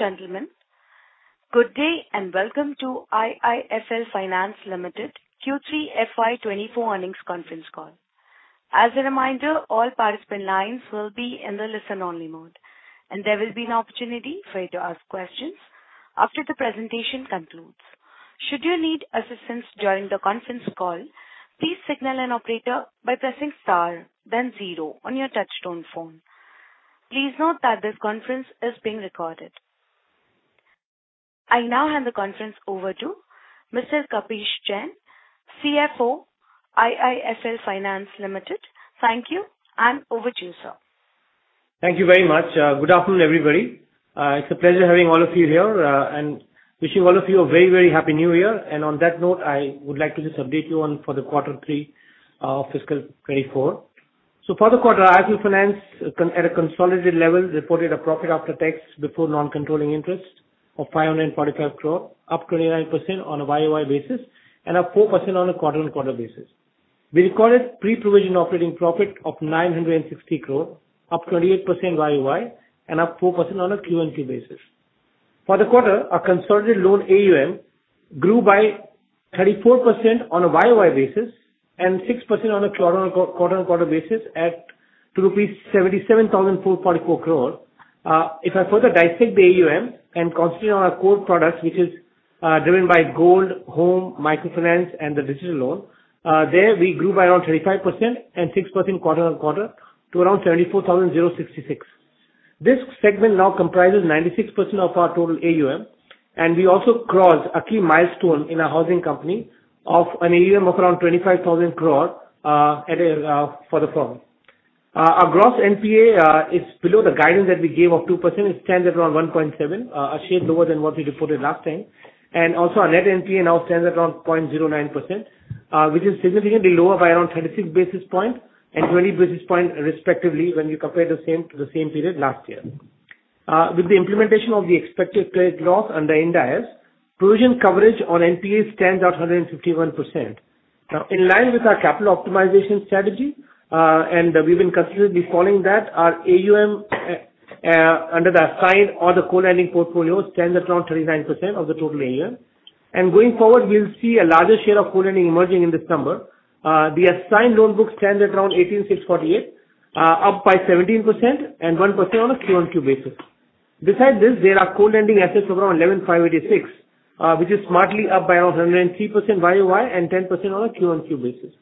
Gentlemen, good day, and welcome to IIFL Finance Limited Q3 FY24 earnings conference call. As a reminder, all participant lines will be in the listen-only mode, and there will be an opportunity for you to ask questions after the presentation concludes. Should you need assistance during the conference call, please signal an operator by pressing Star, then zero on your touchtone phone. Please note that this conference is being recorded. I now hand the conference over to Mr. Kapish Jain, CFO, IIFL Finance Limited. Thank you, and over to you, sir. Thank you very much. Good afternoon, everybody. It's a pleasure having all of you here, and wishing all of you a very, very happy New Year. And on that note, I would like to just update you on for the quarter three of fiscal 2024. So for the quarter, IIFL Finance con- at a consolidated level, reported a profit after tax before non-controlling interest of 545 crore, up 29% on a YOY basis and up 4% on a quarter-on-quarter basis. We recorded pre-provision operating profit of 960 crore, up 28% YOY and up 4% on a QOQ basis. For the quarter, our consolidated loan AUM grew by 34% on a YOY basis and 6% on a quarter-on-quarter basis at rupees 77,444 crore. If I further dissect the AUM and concentrate on our core products, which is driven by gold, home, microfinance, and the digital loan, there we grew by around 35% and 6% quarter-on-quarter to around 34,066. This segment now comprises 96% of our total AUM, and we also crossed a key milestone in our housing company of an AUM of around 25,000 crore at a for the firm. Our gross NPA is below the guidance that we gave of 2%. It stands at around 1.7, a shade lower than what we reported last time. And also our net NPA now stands at around 0.09%, which is significantly lower by around thirty-six basis points and twenty basis points respectively when you compare the same to the same period last year. With the implementation of the expected credit loss under Ind AS, provision coverage on NPA stands at 151%. Now, in line with our capital optimization strategy, and we've been consistently following that, our AUM under the assigned or the co-lending portfolio stands at around 39% of the total AUM. And going forward, we'll see a larger share of co-lending emerging in this number. The assigned loan book stands at around 18,648 crore, up by 17% and 1% on a QOQ basis. Besides this, there are co-lending assets of around 11,586 crore, which is smartly up by around 103% YOY and 10% on a QOQ basis.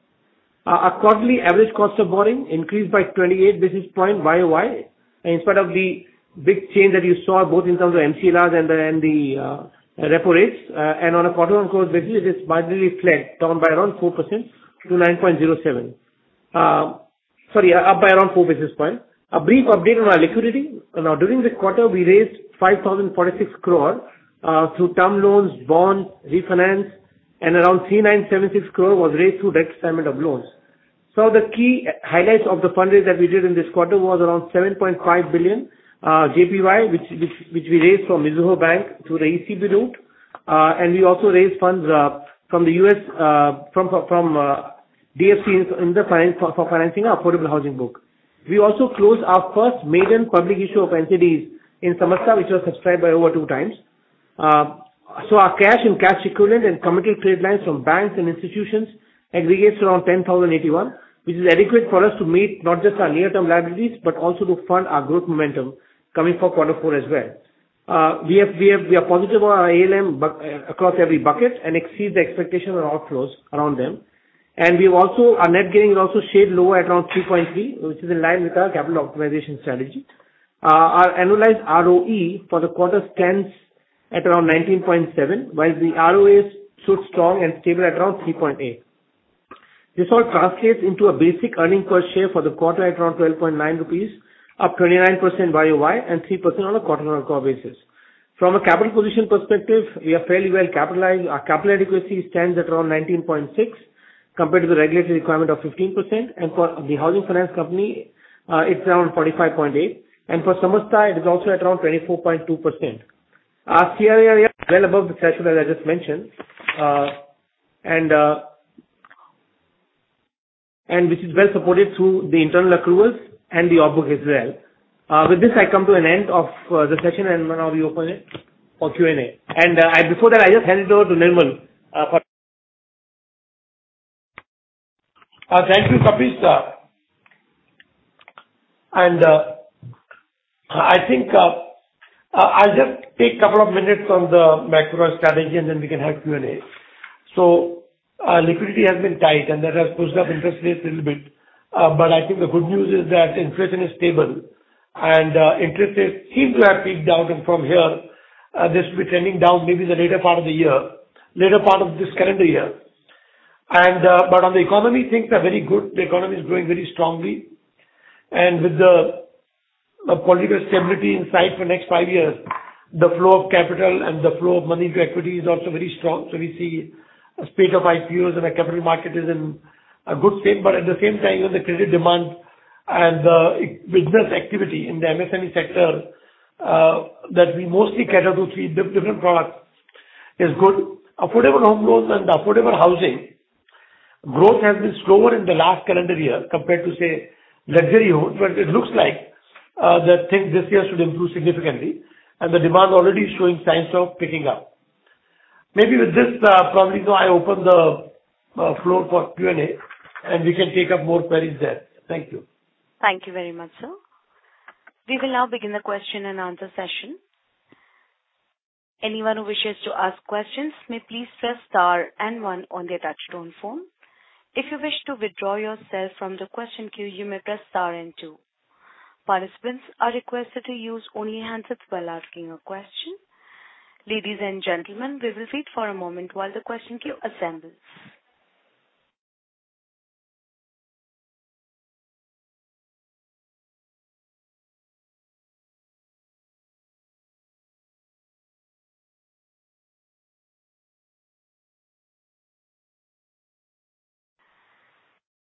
Our quarterly average cost of borrowing increased by 28 basis points YOY, and in spite of the big change that you saw, both in terms of MCLRs and the repo rates. And on a quarter-over-quarter basis, it is marginally flat, down by around 4% to 9.07%. Sorry, up by around 4 basis points. A brief update on our liquidity. Now, during this quarter, we raised 5,046 crore through term loans, bonds, refinance, and around 3,976 crore was raised through the repayment of loans. So the key highlights of the fundraising that we did in this quarter was around 7.5 billion JPY, which we raised from Mizuho Bank through the ECB route. We also raised funds from the U.S., from DFC in the finance, for financing our affordable housing book. We also closed our first maiden public issue of NCDs in Samasta, which was subscribed over two times. So our cash and cash equivalents and committed credit lines from banks and institutions aggregate around 10,081 crore, which is adequate for us to meet not just our near-term liabilities, but also to fund our growth momentum coming from quarter four as well. We are positive on our ALM bucket across every bucket and exceed the expectation on outflows around them. Our net gearing is also sized lower at around 3.3, which is in line with our capital optimization strategy. Our annualized ROE for the quarter stands at around 19.7, while the ROA stood strong and stable at around 3.8. This all translates into a basic earning per share for the quarter at around 12.9 rupees, up 29% YOY, and 3% on a quarter-over-quarter basis. From a capital position perspective, we are fairly well capitalized. Our capital adequacy stands at around 19.6, compared to the regulatory requirement of 15%. For the housing finance company, it's around 45.8, and for Samasta, it is also at around 24.2%. Our CRAR is well above the threshold, as I just mentioned, and which is well supported through the internal accruals and the off book as well. With this, I come to an end of the session, and now we open it for Q&A. Before that, I just hand it over to Nirmal, for- Thank you, Kapish. I think I'll just take a couple of minutes on the macro strategy, and then we can have Q&A. So, liquidity has been tight, and that has pushed up interest rates a little bit. But I think the good news is that inflation is stable, and interest rates seem to have peaked out. And from here, this will be trending down maybe the later part of the year, later part of this calendar year. But on the economy, things are very good. The economy is growing very strongly, and with the political stability in sight for next five years, the flow of capital and the flow of money to equity is also very strong. So we see a spate of IPOs and our capital market is in a good state. But at the same time, even the credit demand and, business activity in the MSME sector, that we mostly cater to three different products, is good. Affordable home loans and affordable housing-... Growth has been slower in the last calendar year compared to, say, luxury homes. But it looks like, the things this year should improve significantly, and the demand already is showing signs of picking up. Maybe with this, probably, so I open the floor for Q&A, and we can take up more queries there. Thank you. Thank you very much, sir. We will now begin the question and answer session. Anyone who wishes to ask questions may please press star and one on their touchtone phone. If you wish to withdraw yourself from the question queue, you may press star and two. Participants are requested to use only handsets while asking a question. Ladies and gentlemen, we will wait for a moment while the question queue assembles.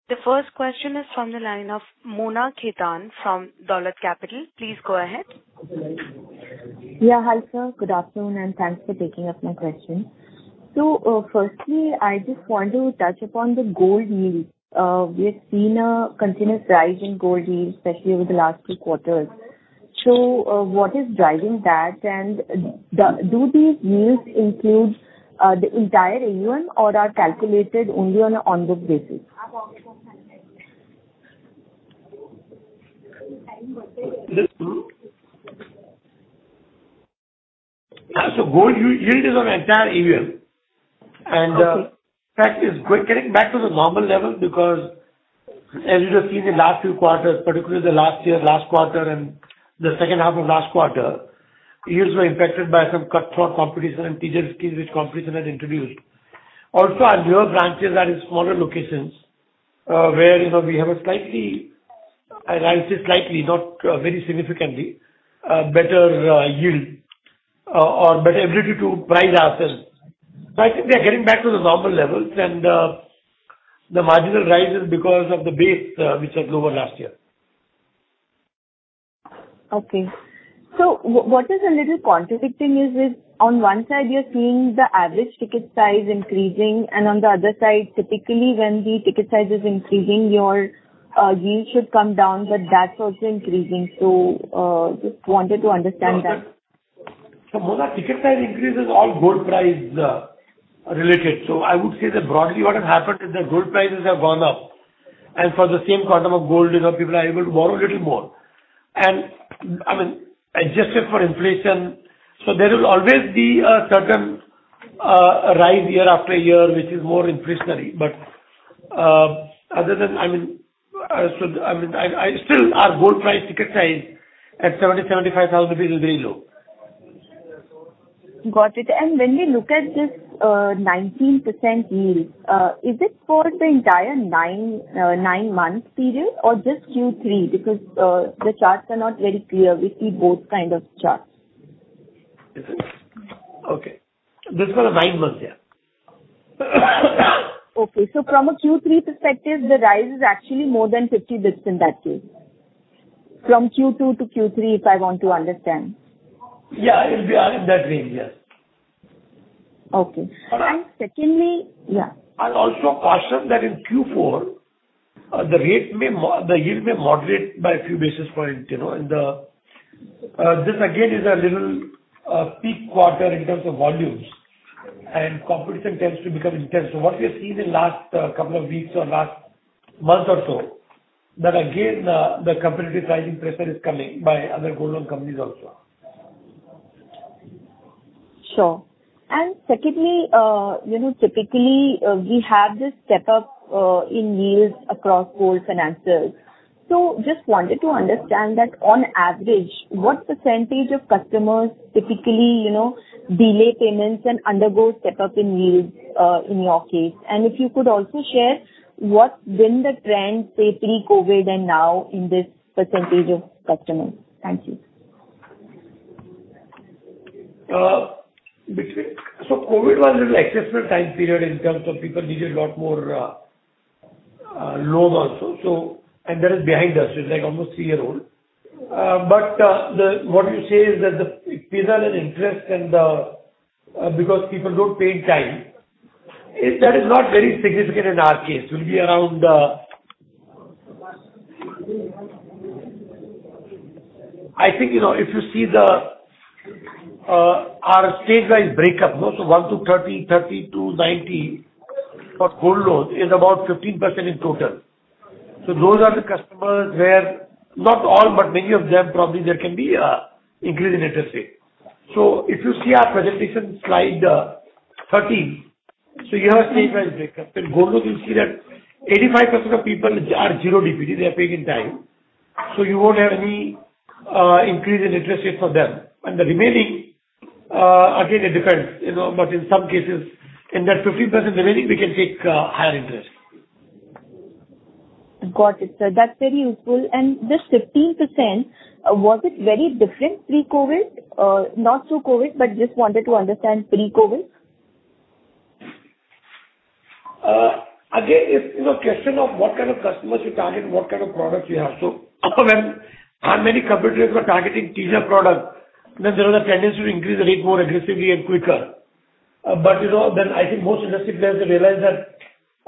The first question is from the line of Mona Khetan from Dolat Capital. Please go ahead. Yeah, hi, sir. Good afternoon, and thanks for taking up my question. So, firstly, I just want to touch upon the gold yield. We've seen a continuous rise in gold yield, especially over the last two quarters. So, what is driving that? And do these yields include the entire annual or are calculated only on an ongoing basis? Gold yield is on entire annual. Okay. And, in fact, is getting back to the normal level because as you have seen in last few quarters, particularly the last year, last quarter, and the second half of last quarter, yields were impacted by some cutthroat competition and teaser schemes which competition had introduced. Also, our newer branches are in smaller locations, where, you know, we have a slightly, and I say slightly, not, very significantly, a better, yield or, or better ability to price ourselves. But I think we are getting back to the normal levels and, the marginal rise is because of the base, which was lower last year. Okay. So what is a little contradicting is this, on one side, you're seeing the average ticket size increasing, and on the other side, particularly when the ticket size is increasing, your yield should come down, but that's also increasing. So just wanted to understand that. So Mona, ticket size increase is all gold price related. So I would say that broadly what has happened is that gold prices have gone up, and for the same quantum of gold, you know, people are able to borrow little more. And, I mean, adjusted for inflation, so there will always be a certain rise year after year, which is more inflationary. But, other than... I mean, so, I mean, I still our gold price ticket size at 70,000-75,000 rupees will be very low. Got it. And when we look at this, 19% yield, is it for the entire nine, nine-month period or just Q3? Because, the charts are not very clear. We see both kind of charts. Okay. This is for the nine months, yeah. Okay. So from a Q3 perspective, the rise is actually more than 50 basis in that case, from Q2 to Q3, if I want to understand. Yeah, it'll be in that range. Yes. Okay. But I- Secondly, yeah. I'll also caution that in Q4, the rate may—The yield may moderate by a few basis point, you know, and, this again is a little, peak quarter in terms of volumes, and competition tends to become intense. So what we have seen in last, couple of weeks or last month or so, that, again, the competitive pricing pressure is coming by other gold loan companies also. Sure. And secondly, you know, typically, we have this step-up in yields across gold financials. So just wanted to understand that on average, what percentage of customers typically, you know, delay payments and undergo step-up in yields in your case? And if you could also share what's been the trend, say, pre-COVID and now in this percentage of customers. Thank you. So COVID was a little exceptional time period in terms of people needed a lot more, loans also. So, and that is behind us. It's, like, almost three-year-old. But, what you say is that the penal and interest and the, because people don't pay in time, it, that is not very significant in our case. It will be around. I think, you know, if you see the, our state-wise breakup, no, so 1-30, 30-90, for gold loans is about 15% in total. So those are the customers where not all, but many of them, probably there can be a increase in interest rate. So if you see our presentation, slide 13, so you have a state-wise breakup. In gold, you'll see that 85% of people are zero DPD. They are paying in time, so you won't have any increase in interest rate for them. And the remaining, again, it depends, you know, but in some cases, in that 15% remaining, we can take higher interest. Got it, sir. That's very useful. And this 15%, was it very different pre-COVID? Not through COVID, but just wanted to understand pre-COVID. Again, it's, you know, question of what kind of customers you target and what kind of products you have. So up until then, how many competitors were targeting teaser products?... then there was a tendency to increase the rate more aggressively and quicker. But, you know, then I think most industry players have realized that,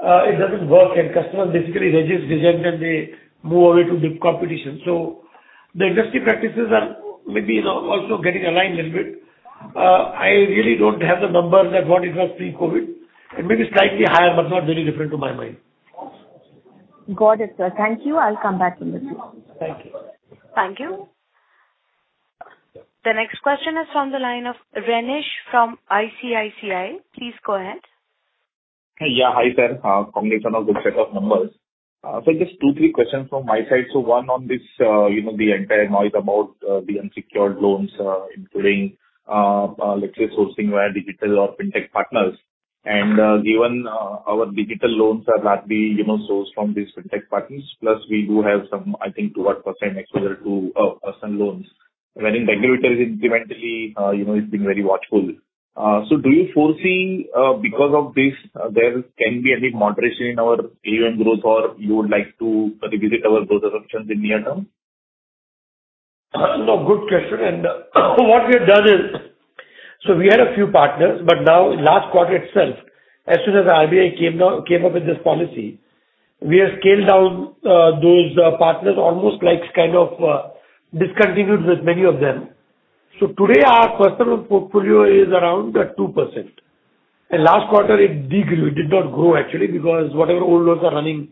it doesn't work, and customers basically resist, resent, and they move away to the competition. So the industry practices are maybe, you know, also getting aligned a little bit. I really don't have the numbers at what it was pre-COVID. It may be slightly higher, but not very different to my mind. Got it, sir. Thank you. I'll come back to you. Thank you. Thank you. The next question is from the line of Renish from ICICI. Please go ahead. Hey, yeah. Hi, there. Congratulations on the set of numbers. Just two, three questions from my side. One on this, you know, the entire noise about the unsecured loans, including, let's say, sourcing via digital or fintech partners. And, given, our digital loans are largely, you know, sourced from these fintech partners, plus we do have some, I think, 2 odd % exposure to personal loans, wherein the regulator is incrementally, you know, is being very watchful. Do you foresee, because of this, there can be any moderation in our AUM growth or you would like to revisit our growth assumptions in near term? No, good question. So what we have done is, we had a few partners, but now in last quarter itself, as soon as the RBI came down, came up with this policy, we have scaled down those partners, almost like kind of discontinued with many of them. So today, our personal portfolio is around 2%, and last quarter it degrew. It did not grow actually, because whatever old loans are running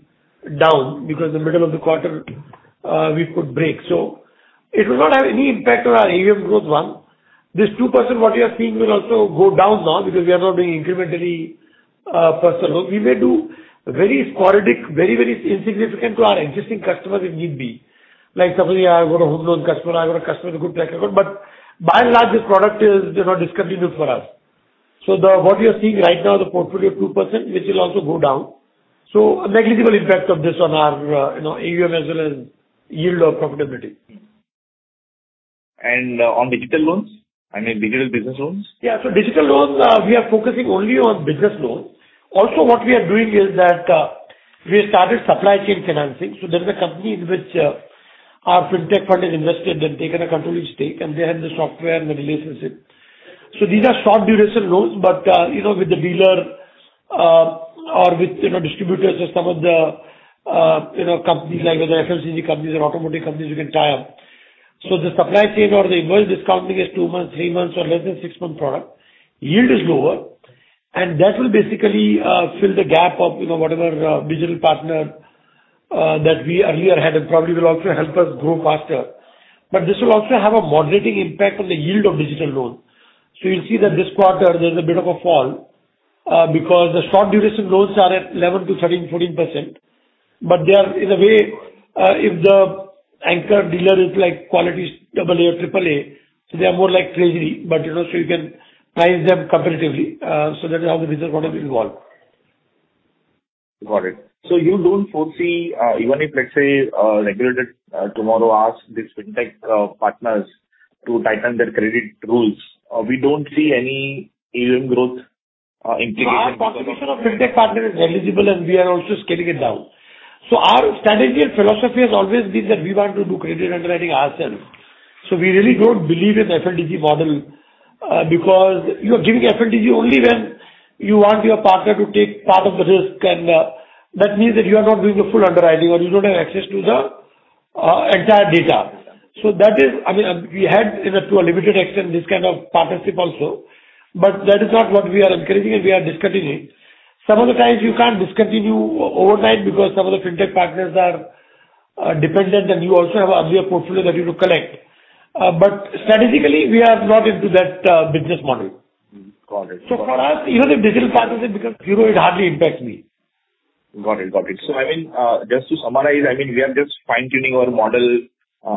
down, because in the middle of the quarter, we put break. So it will not have any impact on our AUM growth, one. This 2% what you are seeing will also go down now, because we are not doing incrementally personal. We may do very sporadic, very, very insignificant to our existing customer if need be. Like suddenly I've got a home loan customer, I've got a customer with a good track record, but by and large, this product is, you know, discontinued for us. So what you are seeing right now, the portfolio 2%, this will also go down. So a negligible impact of this on our, you know, AUM as well as yield or profitability. On digital loans, I mean, digital business loans? Yeah. So digital loans, we are focusing only on business loans. Also, what we are doing is that, we have started supply chain financing. So there's a company in which, our fintech fund is invested and taken a controlling stake, and they have the software and the relationship. So these are short duration loans, but, you know, with the dealer, or with, you know, distributors or some of the, you know, companies like the FMCG companies or automotive companies we can tie up. So the supply chain or the invoice discounting is two months, three months, or less than six-month product. Yield is lower, and that will basically, fill the gap of, you know, whatever, digital partner, that we earlier had and probably will also help us grow faster. But this will also have a moderating impact on the yield of digital loans. So you'll see that this quarter there's a bit of a fall, because the short duration loans are at 11%-13%, 14%, but they are, in a way, if the anchor dealer is like quality AA or AAA, so they are more like treasury, but, you know, so you can price them competitively. So that is how the digital product will evolve. Got it. So you don't foresee, even if, let's say, regulated tomorrow ask these fintech partners to tighten their credit rules, we don't see any AUM growth integration? So our participation of fintech partner is negligible and we are also scaling it down. So our strategy and philosophy has always been that we want to do credit underwriting ourselves. So we really don't believe in the FLDG model, because you are giving FLDG only when you want your partner to take part of the risk and, that means that you are not doing the full underwriting or you don't have access to the, entire data. So that is... I mean, we had, you know, to a limited extent this kind of partnership also, but that is not what we are encouraging, and we are discontinuing. Some of the times you can't discontinue overnight because some of the fintech partners are, dependent, and you also have a portfolio that you need to collect. But strategically, we are not into that business model. Got it. For us, even if digital partners, it becomes, you know, it hardly impacts me. Got it. Got it. So I mean, just to summarize, I mean, we are just fine-tuning our model,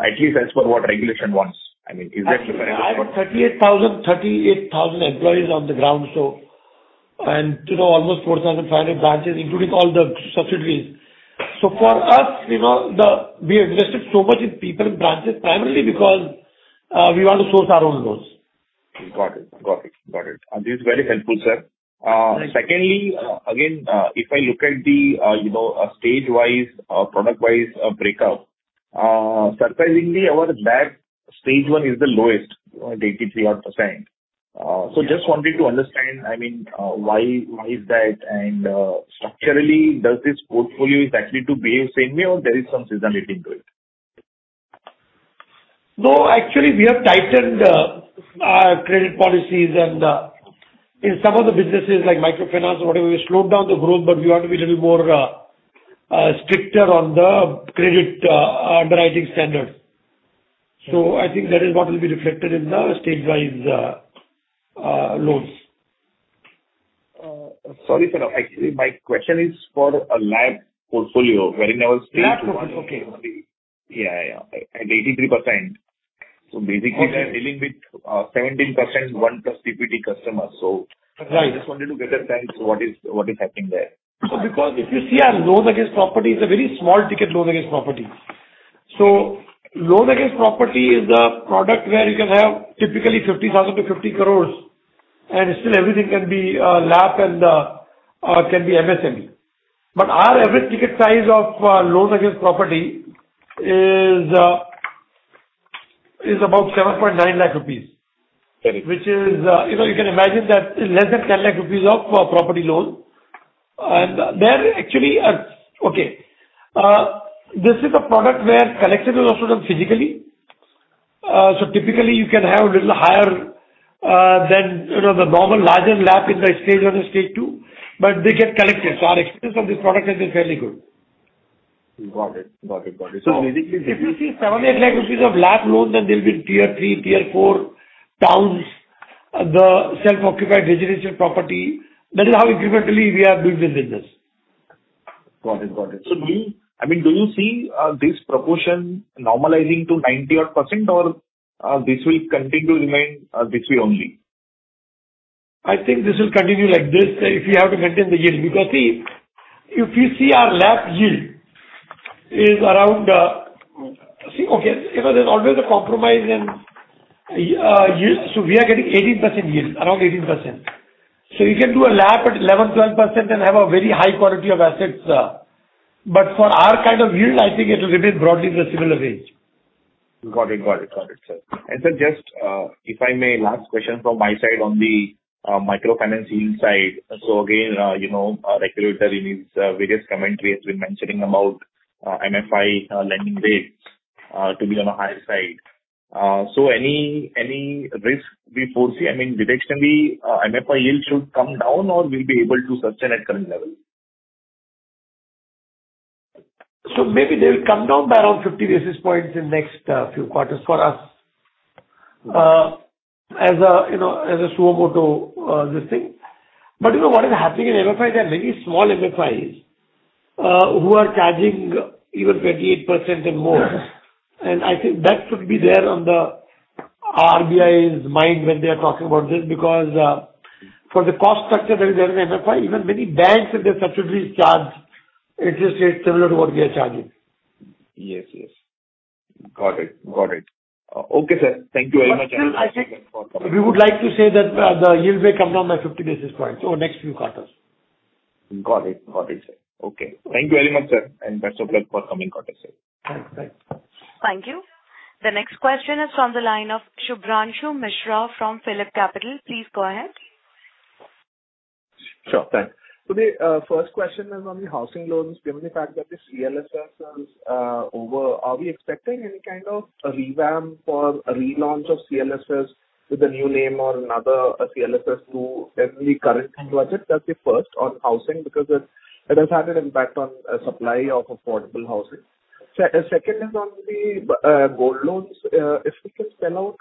at least as per what regulation wants. I mean, is that the right- I have 38,000, 38,000 employees on the ground, so, and, you know, almost 4,500 branches, including all the subsidiaries. So for us, you know, we invested so much in people and branches primarily because we want to source our own loans. Got it. Got it. Got it. This is very helpful, sir. Right. Secondly, again, if I look at the, you know, stage-wise, product-wise, breakup, surprisingly, our bag, Stage 1 is the lowest, 83-odd%. Yeah. So just wanted to understand, I mean, why, why is that? And structurally, does this portfolio is likely to be same way or there is some seasonality to it? No, actually, we have tightened our credit policies and in some of the businesses, like microfinance or whatever, we slowed down the growth, but we want to be a little more stricter on the credit underwriting standard. So I think that is what will be reflected in the stage-wise loans. Sorry, sir, actually, my question is for a LAP portfolio, wherein our Stage 1- LAP portfolio, okay. Yeah, yeah, at 83%. So basically- Got it. - We are dealing with 17% 1+ DPD customer. Right. I just wanted to get a sense what is, what is happening there. Because if you see our loans against property, it's a very small ticket loan against property. Loan against property is the product where you can have typically 50,000 to 50 crore... and still everything can be LAP and can be MSME. But our average ticket size of loans against property is about 7.9 lakh rupees. Got it. Which is, you know, you can imagine that less than 10 lakh rupees of property loan. Okay, this is a product where collection is also done physically. So typically you can have a little higher than, you know, the normal larger LAP in the Stage 1 and Stage 2, but they get collected. So our experience on this product has been fairly good. Got it. Got it, got it. So basically- If you see 7-8 lakh rupees of LAP loan, then there'll be Tier 3, Tier 4 towns, the self-occupied residential property. That is how incrementally we are doing this business. Got it. Got it. So do you... I mean, do you see this proportion normalizing to 90-odd%, or this will continue to remain this way only? I think this will continue like this, if we have to maintain the yield. Because see, if you see our LAP yield is around... See, okay, you know, there's always a compromise in, yield. So we are getting 18% yield, around 18%. So you can do a LAP at 11%-12% and have a very high quality of assets, but for our kind of yield, I think it will remain broadly in a similar range. Got it. Got it. Got it, sir. And, sir, just, if I may, last question from my side on the microfinance side. So again, you know, our regulator in his various commentary has been mentioning about MFI lending rates to be on the higher side. So any risk we foresee? I mean, potentially, MFI yield should come down or we'll be able to sustain at current level? So maybe they'll come down by around 50 basis points in next few quarters for us, as a, you know, as a suo motu this thing. But you know what is happening in MFI? There are many small MFIs who are charging even 28% and more. Yeah. I think that should be there on the RBI's mind when they are talking about this. Because, for the cost structure that is there in the MFI, even many banks and their subsidiaries charge interest rates similar to what we are charging. Yes, yes. Got it. Got it. Okay, sir. Thank you very much. Still, I think we would like to say that the yield may come down by 50 basis points over next few quarters. Got it. Got it, sir. Okay. Thank you very much, sir, and best of luck for coming quarters, sir. Thanks. Bye. Thank you. The next question is from the line of Shubhranshu Mishra from PhillipCapital. Please go ahead. Sure. Thanks. Today, first question is on the housing loans. Given the fact that the CLSS is over, are we expecting any kind of a revamp or a relaunch of CLSS with a new name or another CLSS to every current budget? That's the first on housing, because it has had an impact on supply of affordable housing. Second is on the gold loans. If you could spell out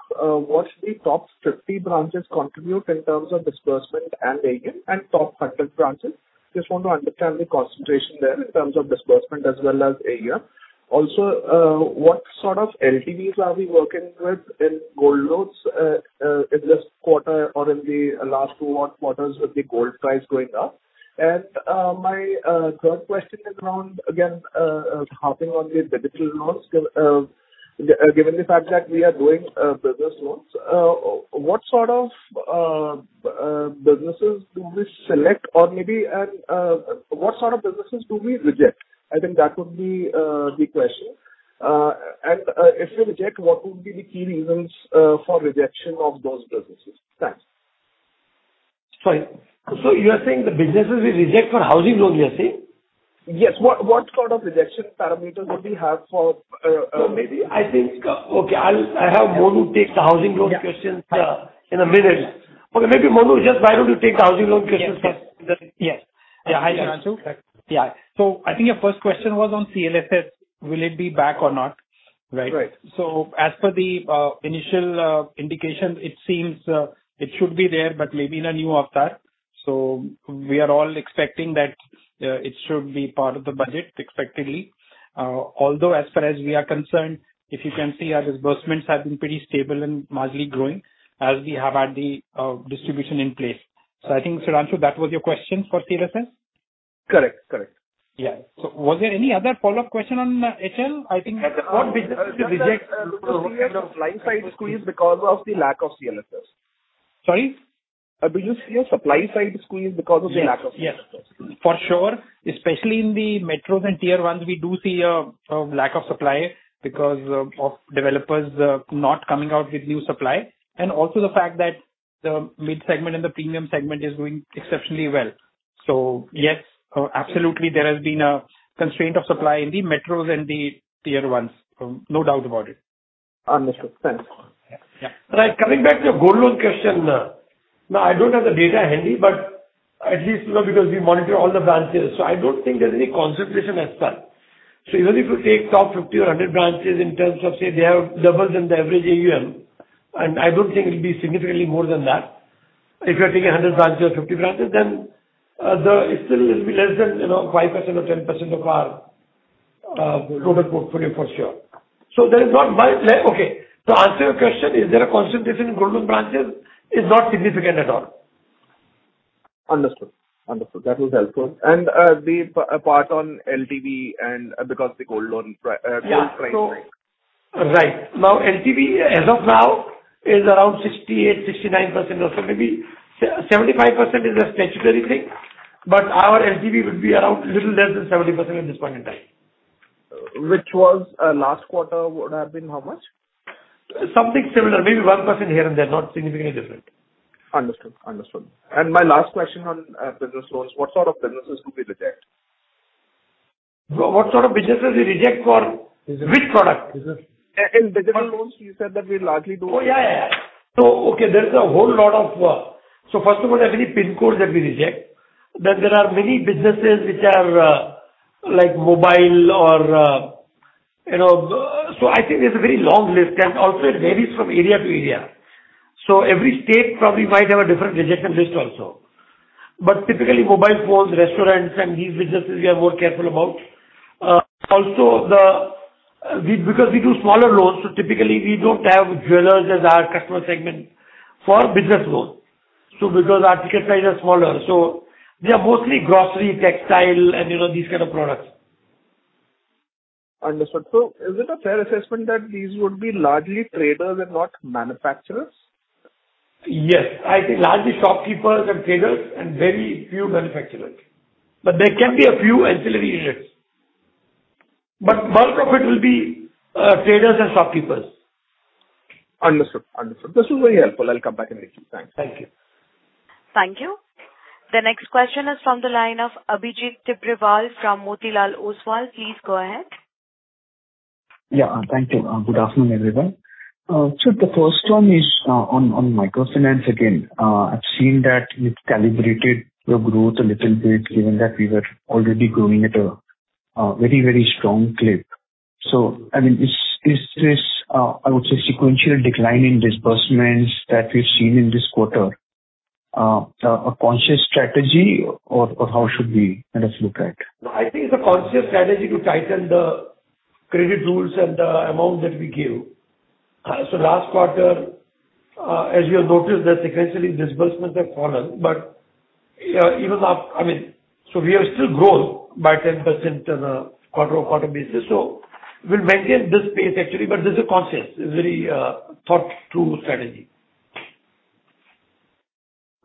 what the top 50 branches contribute in terms of disbursement and AUM and top 100 branches. Just want to understand the concentration there in terms of disbursement as well as AUM. Also, what sort of LTVs are we working with in gold loans in this quarter or in the last two odd quarters with the gold price going up? And my third question is around, again, harping on the digital loans. Given the fact that we are doing business loans, what sort of businesses do we select? Or maybe, what sort of businesses do we reject? I think that would be the question. And if you reject, what would be the key reasons for rejection of those businesses? Thanks. Fine. So you are saying the businesses we reject for housing loan, you are saying? Yes. What, what sort of rejection parameters would we have for, Okay, I'll have Monu take the housing loan questions in a minute. Yeah. Or maybe, Monu, just why don't you take the housing loan questions first? Yes. Yeah, hi, Shubhranshu. Hi. Yeah. So I think your first question was on CLSS, will it be back or not? Right. Right. So as per the initial indication, it seems it should be there, but maybe in a new avatar. So we are all expecting that it should be part of the budget expectedly. Although as far as we are concerned, if you can see, our disbursements have been pretty stable and largely growing as we have had the distribution in place. So I think, Shubhranshu, that was your question for CLSS? Correct. Correct. Yeah. So was there any other follow-up question on HL? I think- Just that, kind of supply side squeeze because of the lack of CLSS. Sorry? We just see a supply side squeeze because of the lack of CLSS. Yes, yes, for sure. Especially in the metros and Tier 1s, we do see a lack of supply because of developers not coming out with new supply, and also the fact that the mid segment and the premium segment is doing exceptionally well. So yes, absolutely there has been a constraint of supply in the metros and the Tier 1s. No doubt about it. Understood. Thanks. Yeah. Yeah. Right, coming back to your gold loan question. Now, I don't have the data handy, but at least, you know, because we monitor all the branches, so I don't think there's any concentration as such. So even if you take top 50 or 100 branches in terms of, say, they have levels in the average AUM, and I don't think it'll be significantly more than that. If you are taking a 100 branches or 50 branches, then, it still will be less than, you know, 5% or 10% of our, total portfolio for sure. So there is not much there. Okay, to answer your question, is there a concentration in gold loan branches? It's not significant at all. Understood. Understood. That was helpful. The part on LTV and because the gold loan price, right? Right. Now, LTV as of now is around 68%-69% or so. Maybe 75% is a statutory thing, but our LTV would be around little less than 70% at this point in time. Which was, last quarter would have been how much? Something similar, maybe 1% here and there, not significantly different. Understood. Understood. And my last question on business loans: What sort of businesses do we reject? What sort of businesses we reject for- Business. Which product? Business. In business loans, you said that we largely do. Oh, yeah, yeah, yeah. So, okay, there's a whole lot of. So first of all, there are many PIN codes that we reject. Then there are many businesses which are, like mobile or, you know, so I think there's a very long list, and also it varies from area to area. So every state probably might have a different rejection list also. But typically mobile phones, restaurants, and these businesses, we are more careful about. Also the, we because we do smaller loans, so typically we don't have jewelers as our customer segment for business loans. So because our ticket prices are smaller, so they are mostly grocery, textile, and, you know, these kind of products. Understood. So is it a fair assessment that these would be largely traders and not manufacturers? Yes. I think largely shopkeepers and traders and very few manufacturers, but there can be a few ancillary units. But bulk of it will be, traders and shopkeepers. Understood. Understood. This is very helpful. I'll come back and with you. Thanks. Thank you. Thank you. The next question is from the line of Abhijit Tibrewal from Motilal Oswal. Please go ahead. Yeah. Thank you. Good afternoon, everyone. So the first one is on microfinance again. I've seen that you've calibrated your growth a little bit, given that we were already growing at a very, very strong clip. So, I mean, is this, I would say, sequential decline in disbursements that we've seen in this quarter, a conscious strategy or how should we kind of look at? I think it's a conscious strategy to tighten the credit rules and the amount that we give. So last quarter, as you have noticed, that sequentially disbursements have fallen, but even after... I mean, so we are still growth by 10% on a quarter-over-quarter basis, so we'll maintain this pace, actually, but this is conscious. It's very thought through strategy.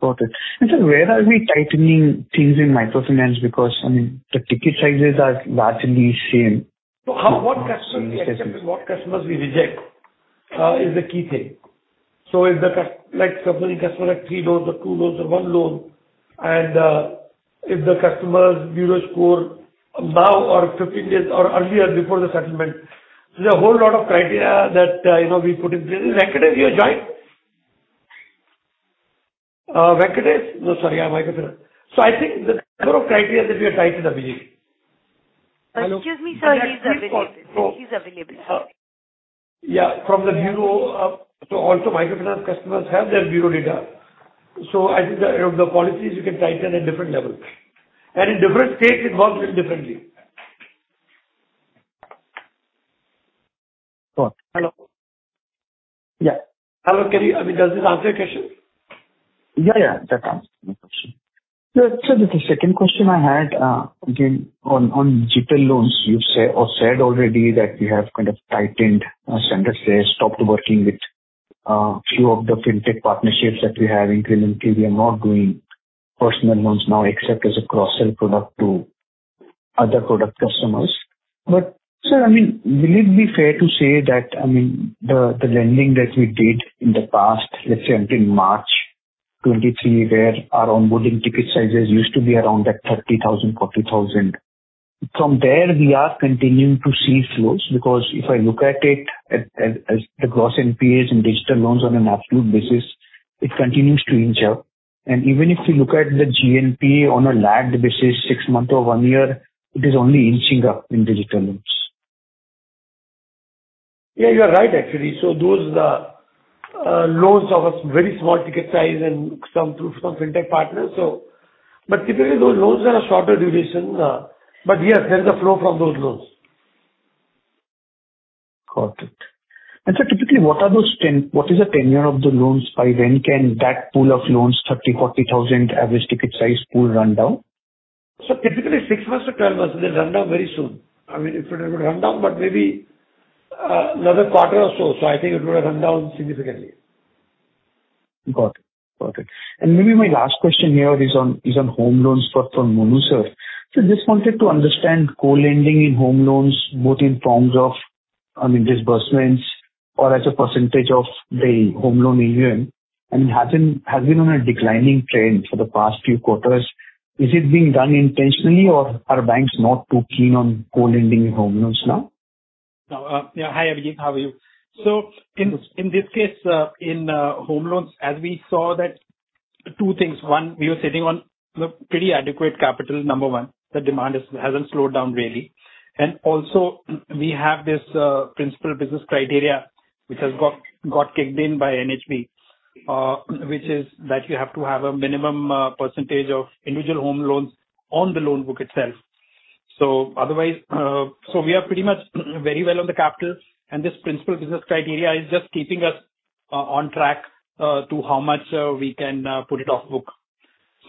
Got it. And so where are we tightening things in microfinance? Because, I mean, the ticket sizes are largely same. So how, what customers we accept and what customers we reject, is the key thing. So if the like supposing customer has three loans or two loans or one loan, and, if the customer's bureau score now or 15 days or earlier before the settlement, there's a whole lot of criteria that, you know, we put in. Venkatesh, you joined? Venkatesh? No, sorry, microfinance. So I think the number of criteria that we are tightening, Abhijit. Excuse me, sir. He's available. He's available. Yeah, from the bureau, so also microfinance customers have their bureau data. I think the policies you can tighten at different levels, and in different states it works differently. Got it. Hello? Yeah. Hello, can you... I mean, does this answer your question? Yeah, yeah, that answers my question. So the second question I had, again, on gold loans, you've said or said already that we have kind of tightened our standards there, stopped working with few of the fintech partnerships that we have. Increasingly, we are not doing personal loans now, except as a cross-sell product to other product customers. But, sir, I mean, will it be fair to say that, I mean, the lending that we did in the past, let's say until March 2023, where our onboarding ticket sizes used to be around that 30,000, 40,000. From there, we are continuing to see flows because if I look at it as the gross NPAs in digital loans on an absolute basis, it continues to inch up. Even if you look at the GNP on a lagged basis, six months or one year, it is only inching up in digital loans. Yeah, you are right, actually. So those are, loans of a very small ticket size and some through some fintech partners, so... But typically those loans are of shorter duration, but yes, there's a flow from those loans. Got it. And sir, typically, what are those? What is the tenure of the loans? By when can that pool of loans, 30,000-40,000 average ticket size pool run down? So typically 6-12 months, they run down very soon. I mean, if it would run down, but maybe another quarter or so. So I think it would run down significantly. Got it. Got it. Maybe my last question here is on home loans, but from Monu, sir. So just wanted to understand co-lending in home loans, both in terms of, I mean, disbursements or as a percentage of the home loan inventory, and it has been on a declining trend for the past few quarters. Is it being done intentionally, or are banks not too keen on co-lending in home loans now? No, yeah. Hi, Abhijit. How are you? So in this case, in home loans, as we saw that two things: one, we were sitting on a pretty adequate capital, number one, the demand is, hasn't slowed down really. And also, we have this principal business criteria which has got kicked in by NHB, which is that you have to have a minimum percentage of individual home loans on the loan book itself. So otherwise, so we are pretty much very well on the capital, and this principal business criteria is just keeping us on track to how much we can put it off book.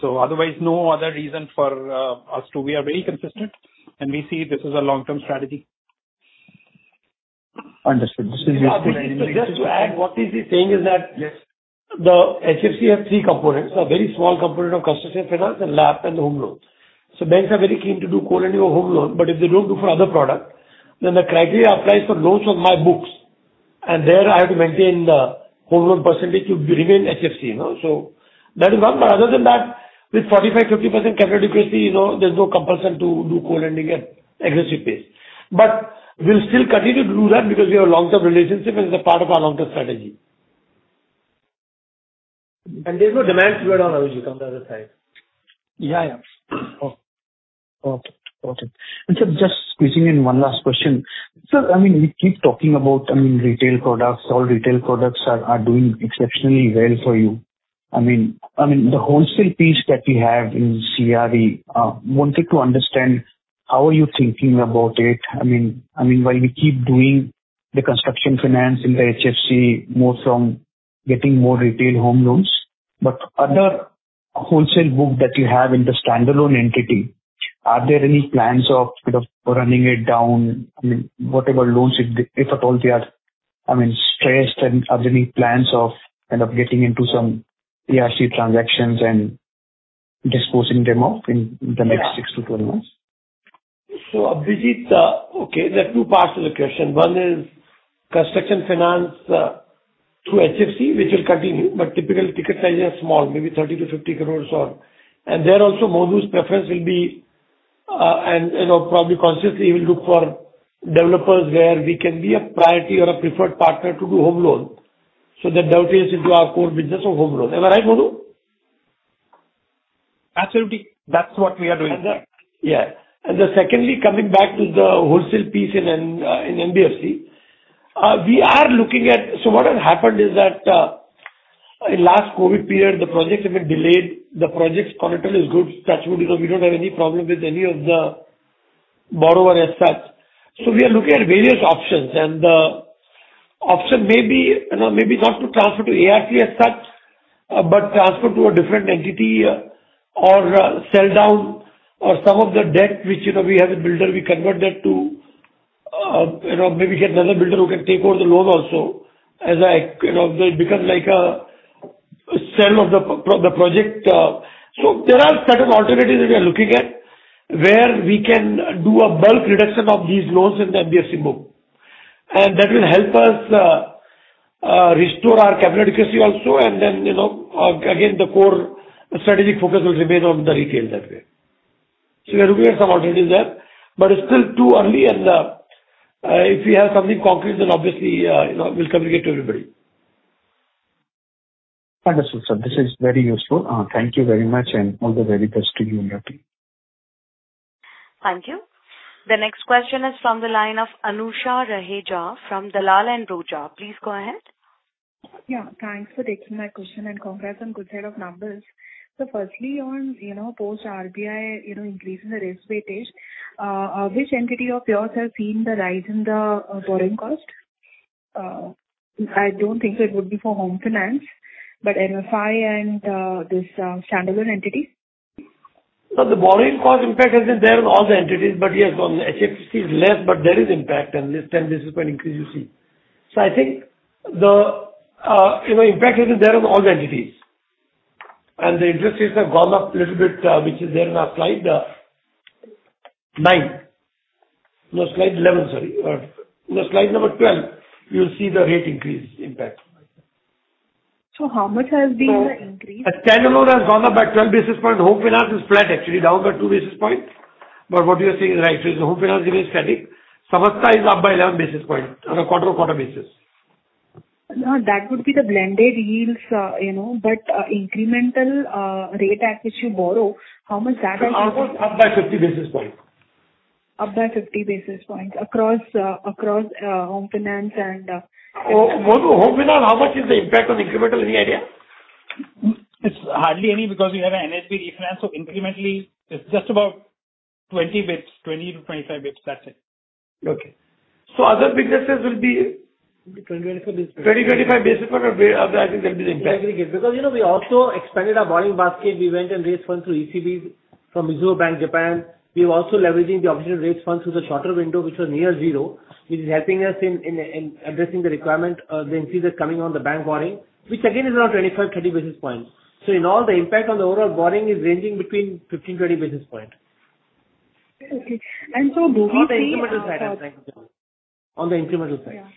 So otherwise, no other reason for us to. We are very consistent, and we see this is a long-term strategy. Understood. This is useful. Just to add, what he is saying is that- Yes. The HFC has three components: a very small component of construction finance and LAP and the home loans. So banks are very keen to do co-lending of home loan, but if they don't do for other product, then the criteria applies for loans on my books, and there I have to maintain the home loan percentage to remain HFC, you know. So that is one, but other than that, with 45%-50% capital adequacy, you know, there's no compulsion to do co-lending at aggressive pace. But we'll still continue to do that because we have a long-term relationship, and it's a part of our long-term strategy. There's no demand to at all, Ajay, from the other side. Yeah, yeah. Okay. Got it. And sir, just squeezing in one last question. Sir, I mean, we keep talking about, I mean, retail products. All retail products are doing exceptionally well for you. I mean, I mean, the wholesale piece that you have in CRE, wanted to understand how are you thinking about it? I mean, I mean, while we keep doing the construction finance in the HFC, more from getting more retail home loans, but other wholesale book that you have in the standalone entity, are there any plans of sort of running it down? I mean, whatever loans, if at all they are, I mean, stressed, and are there any plans of kind of getting into some ARC transactions and disposing them off in the next 6-12 months? So, Abhijit, okay, there are two parts to the question. One is construction finance through HFC, which will continue, but typical ticket sizes are small, maybe 30 crore-50 crore or... And there also, Monu's preference will be, and, you know, probably consciously he will look for developers where we can be a priority or a preferred partner to do home loan. So the doubt is into our core business of home loan. Am I right, Monu? Absolutely. That's what we are doing. Then secondly, coming back to the wholesale piece in the NBFC, we are looking at. So what has happened is that, in last COVID period, the projects have been delayed. The projects' collateral is good. That's good, because we don't have any problem with any of the borrower as such. So we are looking at various options, and the option may be, you know, maybe not to transfer to ARC as such, but transfer to a different entity or, sell down or some of the debt which, you know, we have a builder, we convert that to, you know, maybe get another builder who can take over the loan also, as I, you know, become like a sell of the project. So there are certain alternatives that we are looking at, where we can do a bulk reduction of these loans in the NBFC book. And that will help us, restore our capital adequacy also, and then, you know, again, the core strategic focus will remain on the retail that way. So we are looking at some alternatives there, but it's still too early, and, if we have something concrete, then obviously, you know, we'll communicate to everybody. Understood, sir. This is very useful. Thank you very much, and all the very best to you and your team. Thank you. The next question is from the line of Anusha Raheja from Dalal & Broacha. Please go ahead. Yeah, thanks for taking my question, and congrats on good set of numbers. So firstly, on, you know, post RBI, you know, increasing the risk weightage, which entity of yours has seen the rise in the borrowing cost? I don't think so it would be for home finance, but NFI and this standalone entity. So the borrowing cost impact has been there on all the entities, but yes, on HFC is less, but there is impact, and this time this is an increase you see. So I think the, you know, impact has been there on all the entities. And the interest rates have gone up little bit, which is there in our slide 9. No, slide 11, sorry. No, slide number 12, you'll see the rate increase impact. So how much has been the increase? Standalone has gone up by 12 basis points. Home Finance is flat, actually down by 2 basis points, but what you are saying is right. So the Home Finance remains static. Samasta is up by 11 basis points on a quarter-to-quarter basis. Now, that would be the blended yields, you know, but incremental rate at which you borrow, how much that is? Almost up by 50 basis points. Up by 50 basis points across Home Finance and Oh, Monu, Home Finance, how much is the impact on incremental? Any idea? It's hardly any because we have an NHB refinance, so incrementally it's just about 20 bits, 20-25 bits. That's it. Okay. So other businesses will be? 20-25 basis points. 20-25 basis points, I think that'll be the impact. Because, you know, we also expanded our borrowing basket. We went and raised funds through ECBs from Mizuho Bank, Japan. We were also leveraging the opportunity to raise funds through the shorter window, which was near zero, which is helping us in addressing the requirement, the increase that's coming on the bank borrowing, which again is around 25-30 basis points. So in all, the impact on the overall borrowing is ranging between 15-20 basis point. Okay. And so do we see- On the incremental side, I'm saying. On the incremental side. Yeah.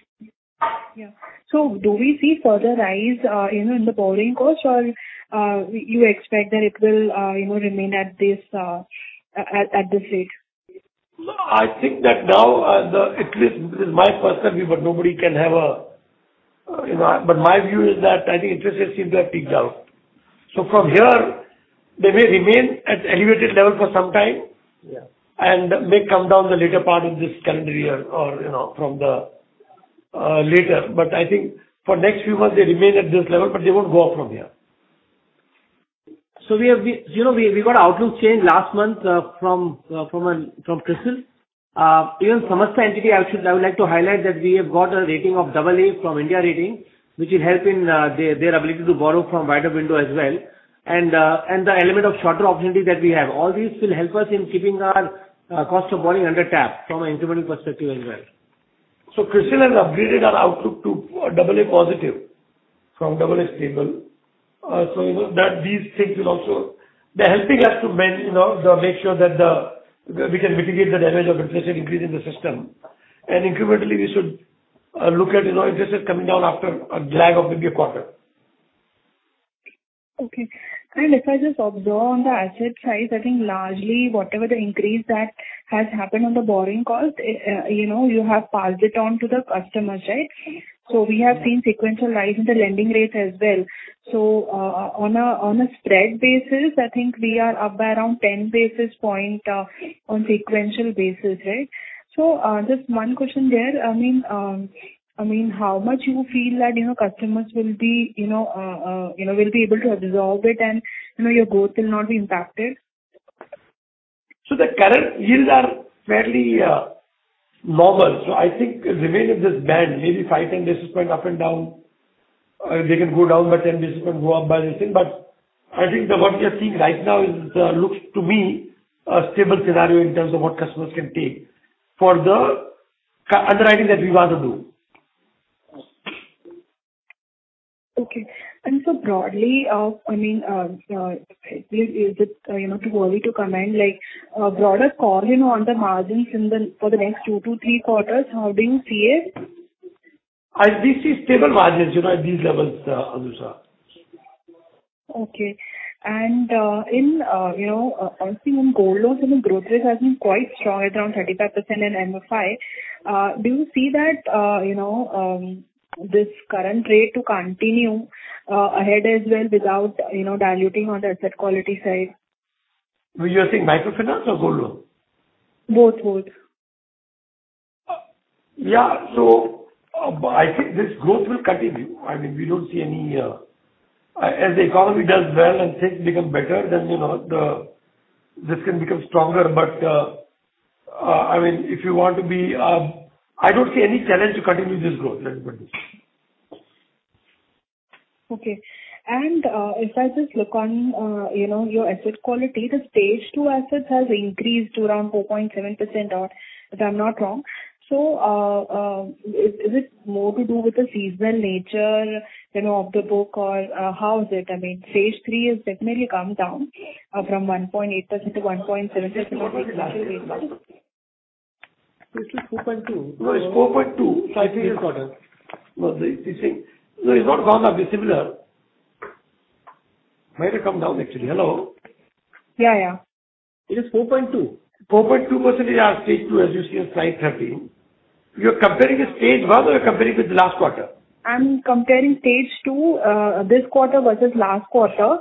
Yeah. So do we see further rise, you know, in the borrowing cost or, you expect that it will, you know, remain at this rate? I think that now. At least this is my personal view, but nobody can have a, you know, but my view is that I think interest rates seems to have peaked out. So from here, they may remain at elevated level for some time- Yeah. - and may come down the later part of this calendar year or, you know, from the later. But I think for next few months, they remain at this level, but they won't go up from here. So we have, you know, got our outlook changed last month, from CRISIL. Even Samasta Entity, I should, I would like to highlight that we have got a rating of double A from India Ratings, which will help in their ability to borrow from wider window as well, and the element of shorter opportunity that we have. All these will help us in keeping our cost of borrowing under cap from an incremental perspective as well. So CRISIL has upgraded our outlook to double A positive from double A stable. So you know that these things will also... They're helping us to, you know, make sure that we can mitigate the damage of interest and increase in the system. And incrementally, we should look at, you know, interest is coming down after a drag of maybe a quarter. Okay. If I just observe on the asset side, I think largely whatever the increase that has happened on the borrowing cost, you know, you have passed it on to the customers, right? So we have seen sequential rise in the lending rates as well. So, on a spread basis, I think we are up by around 10 basis point, on sequential basis, right? So, just one question there. I mean, how much you feel that, you know, you know, will be able to absorb it and, you know, your growth will not be impacted? So the current yields are fairly normal. So I think the remaining of this band, maybe 5, 10 basis points up and down, they can go down by 10 basis points, go up by this thing. But I think that what we are seeing right now is, looks to be a stable scenario in terms of what customers can take for the customer underwriting that we want to do. Okay. And so broadly, I mean, is it, you know, too early to comment, like, broader call, you know, on the margins in the for the next two to three quarters, how do you see it? We see stable margins, you know, at these levels, Anusha. Okay. And, in, you know, I've seen in gold loans, you know, growth rate has been quite strong, at around 35% in MFI. Do you see that, you know, this current rate to continue, ahead as well, without, you know, diluting on the asset quality side? You are saying microfinance or gold loan? Both, both. Yeah. So, I think this growth will continue. I mean, we don't see any... As the economy does well and things become better, then, you know, this can become stronger. But, I mean, if you want to be, I don't see any challenge to continue this growth at this point. Okay. And, if I just look on, you know, your asset quality, the Stage 2 assets has increased to around 4.7%, or if I'm not wrong. So, is it more to do with the seasonal nature, you know, of the book or, how is it? I mean, Stage 3 has definitely come down, from 1.8%-1.7%- It is 2.2. No, it's 4.2. Sorry, this quarter. No, this thing. No, it's not gone up, it's similar. Might have come down, actually. Hello? Yeah, yeah. It is 4.2. 4.2% is our Stage 2, as you see on slide 13. You're comparing with Stage 1 or you're comparing with the last quarter? I'm comparing Stage 2, this quarter versus last quarter.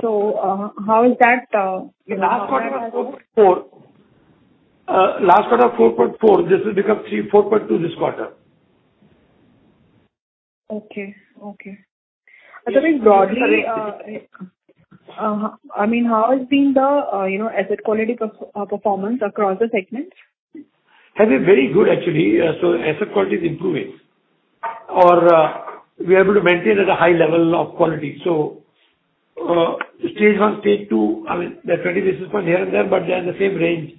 So, how is that, you know- Last quarter was 4.4. Last quarter 4.4, this has become 3, 4.2 this quarter. Okay. Okay. I think broadly, I mean, how has been the, you know, asset quality performance across the segments? Has been very good, actually. So asset quality is improving. Or, we're able to maintain at a high level of quality. So, Stage 1, Stage 2, I mean, they're 20 basis points here and there, but they're in the same range,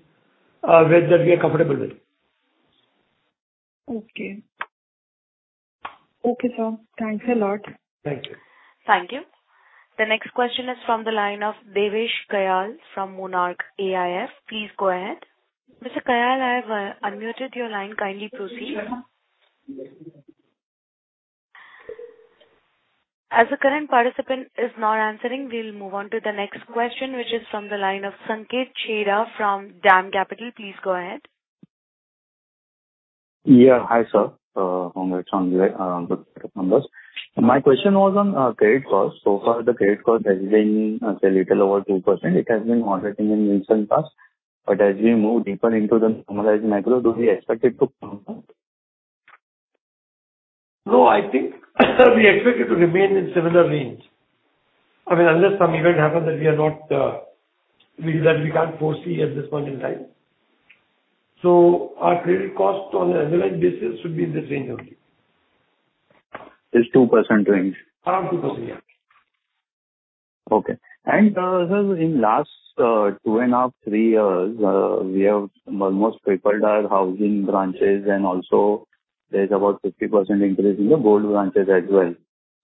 which that we are comfortable with. Okay. Okay, sir. Thanks a lot. Thank you. Thank you. The next question is from the line of Devesh Kayal from Monarch AIF. Please go ahead. Mr. Kayal, I have unmuted your line. Kindly proceed. As the current participant is not answering, we'll move on to the next question, which is from the line of Sanket Chheda from DAM Capital. Please go ahead. Yeah. Hi, sir, good numbers. My question was on credit cost. So far, the credit cost has been a little over 2%. It has been operating in recent past, but as we move deeper into the marginal macro, do we expect it to come down? No, I think, we expect it to remain in similar range. I mean, unless some event happens that we are not, that we can't foresee at this point in time. So our credit cost on an annual basis should be in this range only. This 2% range? Around 2%, yeah. Okay. And, sir, in last 2.5-3 years, we have almost tripled our housing branches, and also there's about 50% increase in the gold branches as well.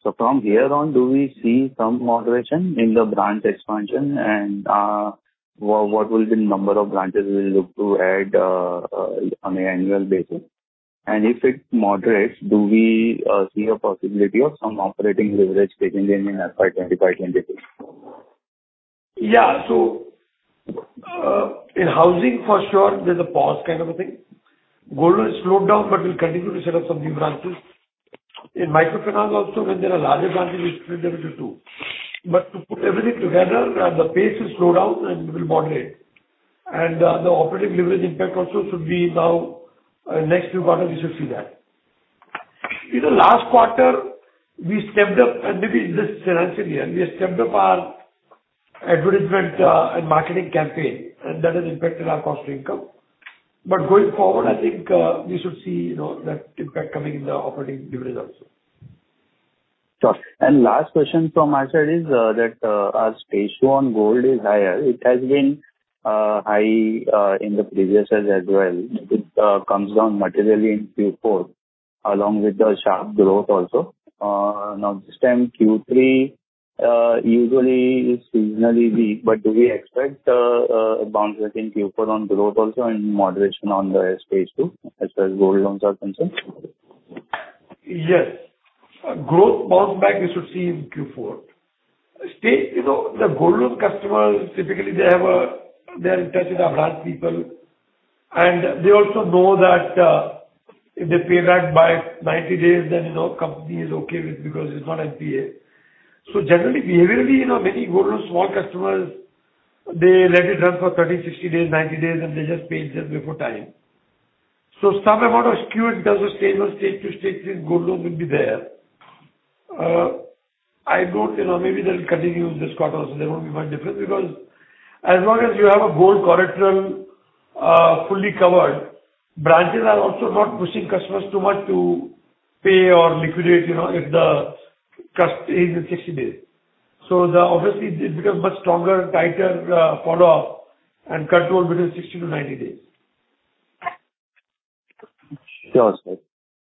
So from here on, do we see some moderation in the branch expansion? And, what, what will be the number of branches we'll look to add, on an annual basis? And if it moderates, do we see a possibility of some operating leverage taking in in FY 2025, 2022? Yeah. So, in housing for sure, there's a pause kind of a thing. Gold has slowed down, but we'll continue to set up some new branches. In microfinance also, when there are larger branches, we split them into two. But to put everything together, the pace will slow down and we'll moderate. The operating leverage impact also should be now, next few quarters we should see that... In the last quarter, we stepped up, and maybe this financial year, we have stepped up our advertisement and marketing campaign, and that has impacted our cost income. But going forward, I think, we should see, you know, that impact coming in the operating results. Sure. And last question from my side is, that, our Stage 2 on gold is higher. It has been, high, in the previous years as well. It, comes down materially in Q4, along with the sharp growth also. Now, this time, Q3, usually is seasonally weak, but do we expect, a bounce back in Q4 on growth also and moderation on the Stage 2, as far as gold loans are concerned? Yes. Growth bounce back, you should see in Q4. Stage, you know, the gold loan customers, typically, they're in touch with our branch people, and they also know that, if they pay back by 90 days, then, you know, company is okay with it because it's not NPA. So generally, behaviorally, you know, many gold loan small customers, they let it run for 30, 60 days, 90 days, and they just pay just before time. So some amount of skew in terms of Stage 1, Stage 2, Stage 3 gold loans will be there. I don't, you know, maybe they'll continue this quarter also, there won't be much difference because as long as you have a gold collateral, fully covered, branches are also not pushing customers too much to pay or liquidate, you know, if the cost is in 60 days. So, obviously, it becomes much stronger and tighter follow-up and control between 60-90 days. Sure, sir.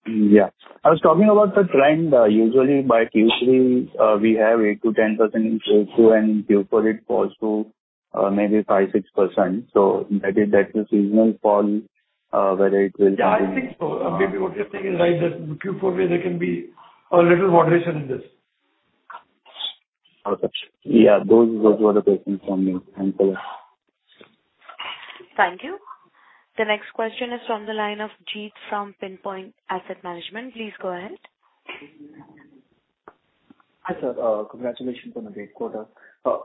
Yeah. I was talking about the trend. Usually by Q3, we have 8%-10% in Q2, and Q4 it falls to, maybe 5-6%. So that is, that's a seasonal fall, whether it will be- Yeah, I think so. Maybe what you're saying is right, that in Q4 there can be a little moderation in this. Okay. Yeah, those, those were the questions from me. Thank you. Thank you. The next question is from the line of Jeet from Pinpoint Asset Management. Please go ahead. Hi, sir. Congratulations on a great quarter.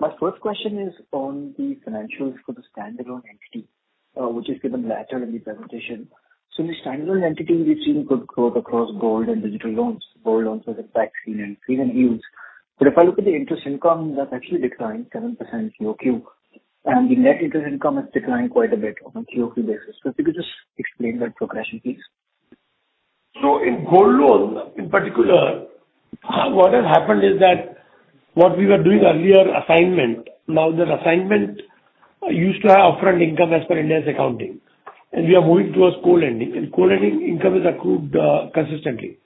My first question is on the financials for the standalone entity, which is given later in the presentation. So in the standalone entity, we've seen good growth across gold and digital loans. Gold loans are the backbone and seasonal use. But if I look at the interest income, that's actually declined 7% QOQ, and the net interest income has declined quite a bit on a QOQ basis. So if you could just explain that progression, please. So in gold loans, in particular, what has happened is that what we were doing earlier, assignment, now that assignment used to have upfront income as per India's accounting, and we are moving towards co-lending, and co-lending income is accrued consistently.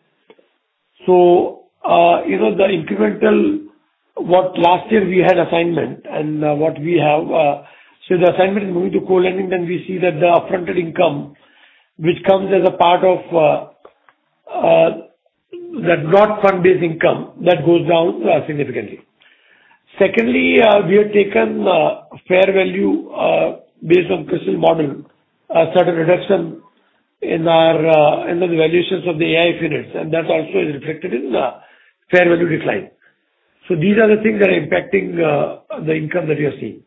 So, you know, the incremental, what last year we had assignment and what we have, so the assignment is moving to co-lending, then we see that the upfront income, which comes as a part of the non-fund based income, that goes down significantly. Secondly, we have taken fair value, based on CRISIL model, a certain reduction in our in the valuations of the AIF units, and that also is reflected in the fair value decline. So these are the things that are impacting the income that you're seeing.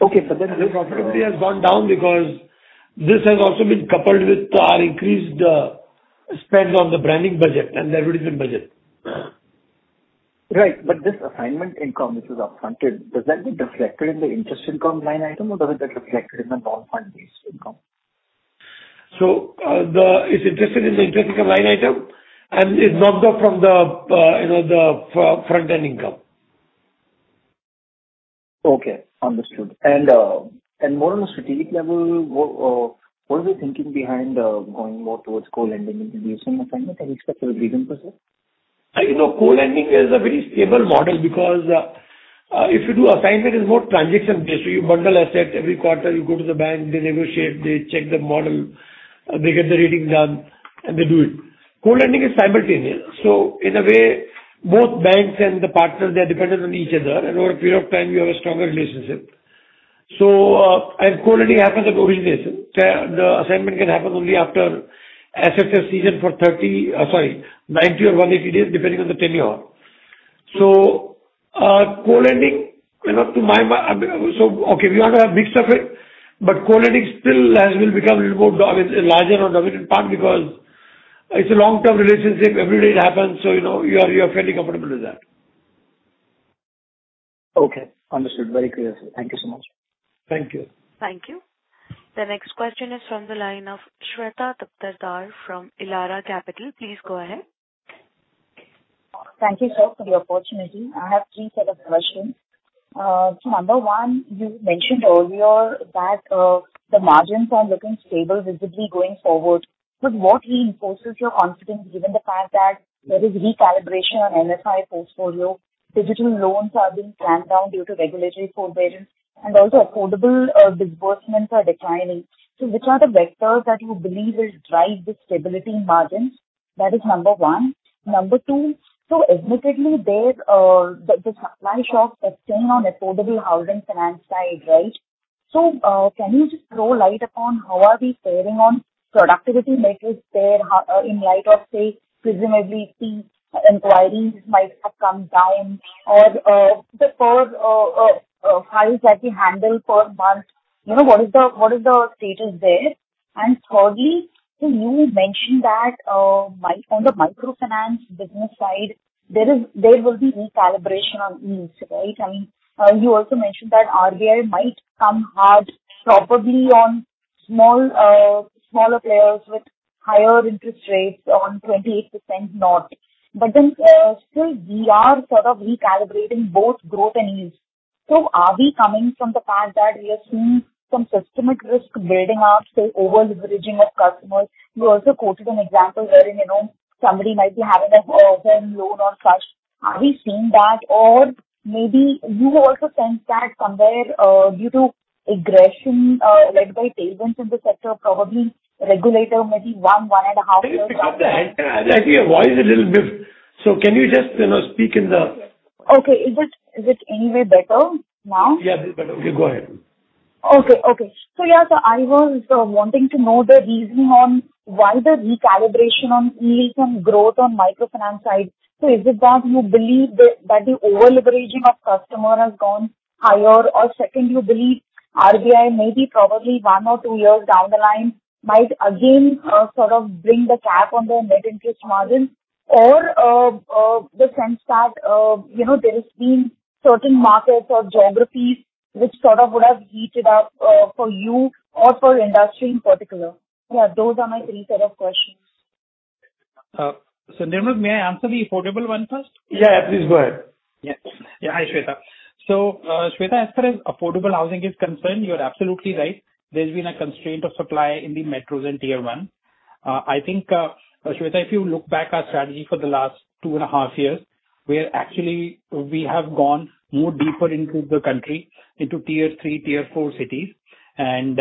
Okay, sir. The profitability has gone down because this has also been coupled with our increased spend on the branding budget and the advertising budget. Right. But this assignment income, this is upfronted. Does that get reflected in the interest income line item, or does it get reflected in the non-fund-based income? It's interested in the interest income line item, and it's knocked off from the front-end income, you know. Okay, understood. And, and more on a strategic level, what, what is the thinking behind, going more towards co-lending instead of assignment? Can you explain the process? You know, co-lending is a very stable model because if you do assignment, it's more transaction based. So you bundle assets every quarter, you go to the bank, they negotiate, they check the model, they get the rating done, and they do it. Co-lending is simultaneous. So in a way, both banks and the partners, they are dependent on each other, and over a period of time, you have a stronger relationship. So, as co-lending happens at origination, the assignment can happen only after assets are seasoned for 90 or 180 days, depending on the tenure. So, co-lending, you know. So, okay, we want to have a mix of it, but co-lending still will become a little more larger on the part because it's a long-term relationship. Every day it happens, so, you know, you are fairly comfortable with that. Okay, understood. Very clear, sir. Thank you so much. Thank you. Thank you. The next question is from the line of Shweta Daptardar from Elara Capital. Please go ahead. Thank you, sir, for the opportunity. I have three set of questions. So number 1, you mentioned earlier that, the margins are looking stable, visibly going forward. So what reinforces your confidence, given the fact that there is recalibration on MFI portfolio, digital loans are being clamped down due to regulatory forbearance, and also affordable, disbursements are declining? So which are the vectors that you believe will drive the stability in margins? That is number 1. Number 2, so admittedly, there's, the, the supply shock that's staying on affordable housing finance side, right? So, can you just throw light upon how are we faring on productivity measures there, in light of, say, presumably, these inquiries might have come down or, the third, how is that you handle per month? You know, what is the, what is the status there? Thirdly, so you mentioned that on the microfinance business side, there is, there will be recalibration on yields, right? I mean, you also mentioned that RBI might come hard probably on small, smaller players with higher interest rates on 28% north. But then, still we are sort of recalibrating both growth and yields. So are we coming from the fact that we are seeing some systemic risk building up, say, over-leveraging of customers? You also quoted an example wherein, you know, somebody might be having a home loan or such. Are we seeing that? Or maybe you also sense that somewhere due to aggression led by payments in the sector, probably regulator, maybe 1-1.5 years- Can you pick up the hand? I think your voice is a little dim. So can you just, you know, speak in the- Okay. Is it, is it any way better now? Yeah, this is better. Okay, go ahead. Okay, okay. So yeah, so I was wanting to know the reasoning on why the recalibration on yields and growth on microfinance side. So is it that you believe that the over-leveraging of customer has gone higher? Or secondly, you believe RBI may be probably one or two years down the line, might again sort of bring the cap on the net interest margin or the sense that you know, there has been certain markets or geographies which sort of would have heated up for you or for industry in particular? Yeah, those are my three set of questions. So, Nirmal, may I answer the affordable one first? Yeah, please go ahead. Yeah. Yeah, hi, Shweta. So, Shweta, as far as affordable housing is concerned, you're absolutely right. There's been a constraint of supply in the metros and Tier 1. I think, Shweta, if you look back our strategy for the last 2.5 years, we're actually... We have gone more deeper into the country, into Tier 3, Tier 4 cities. And,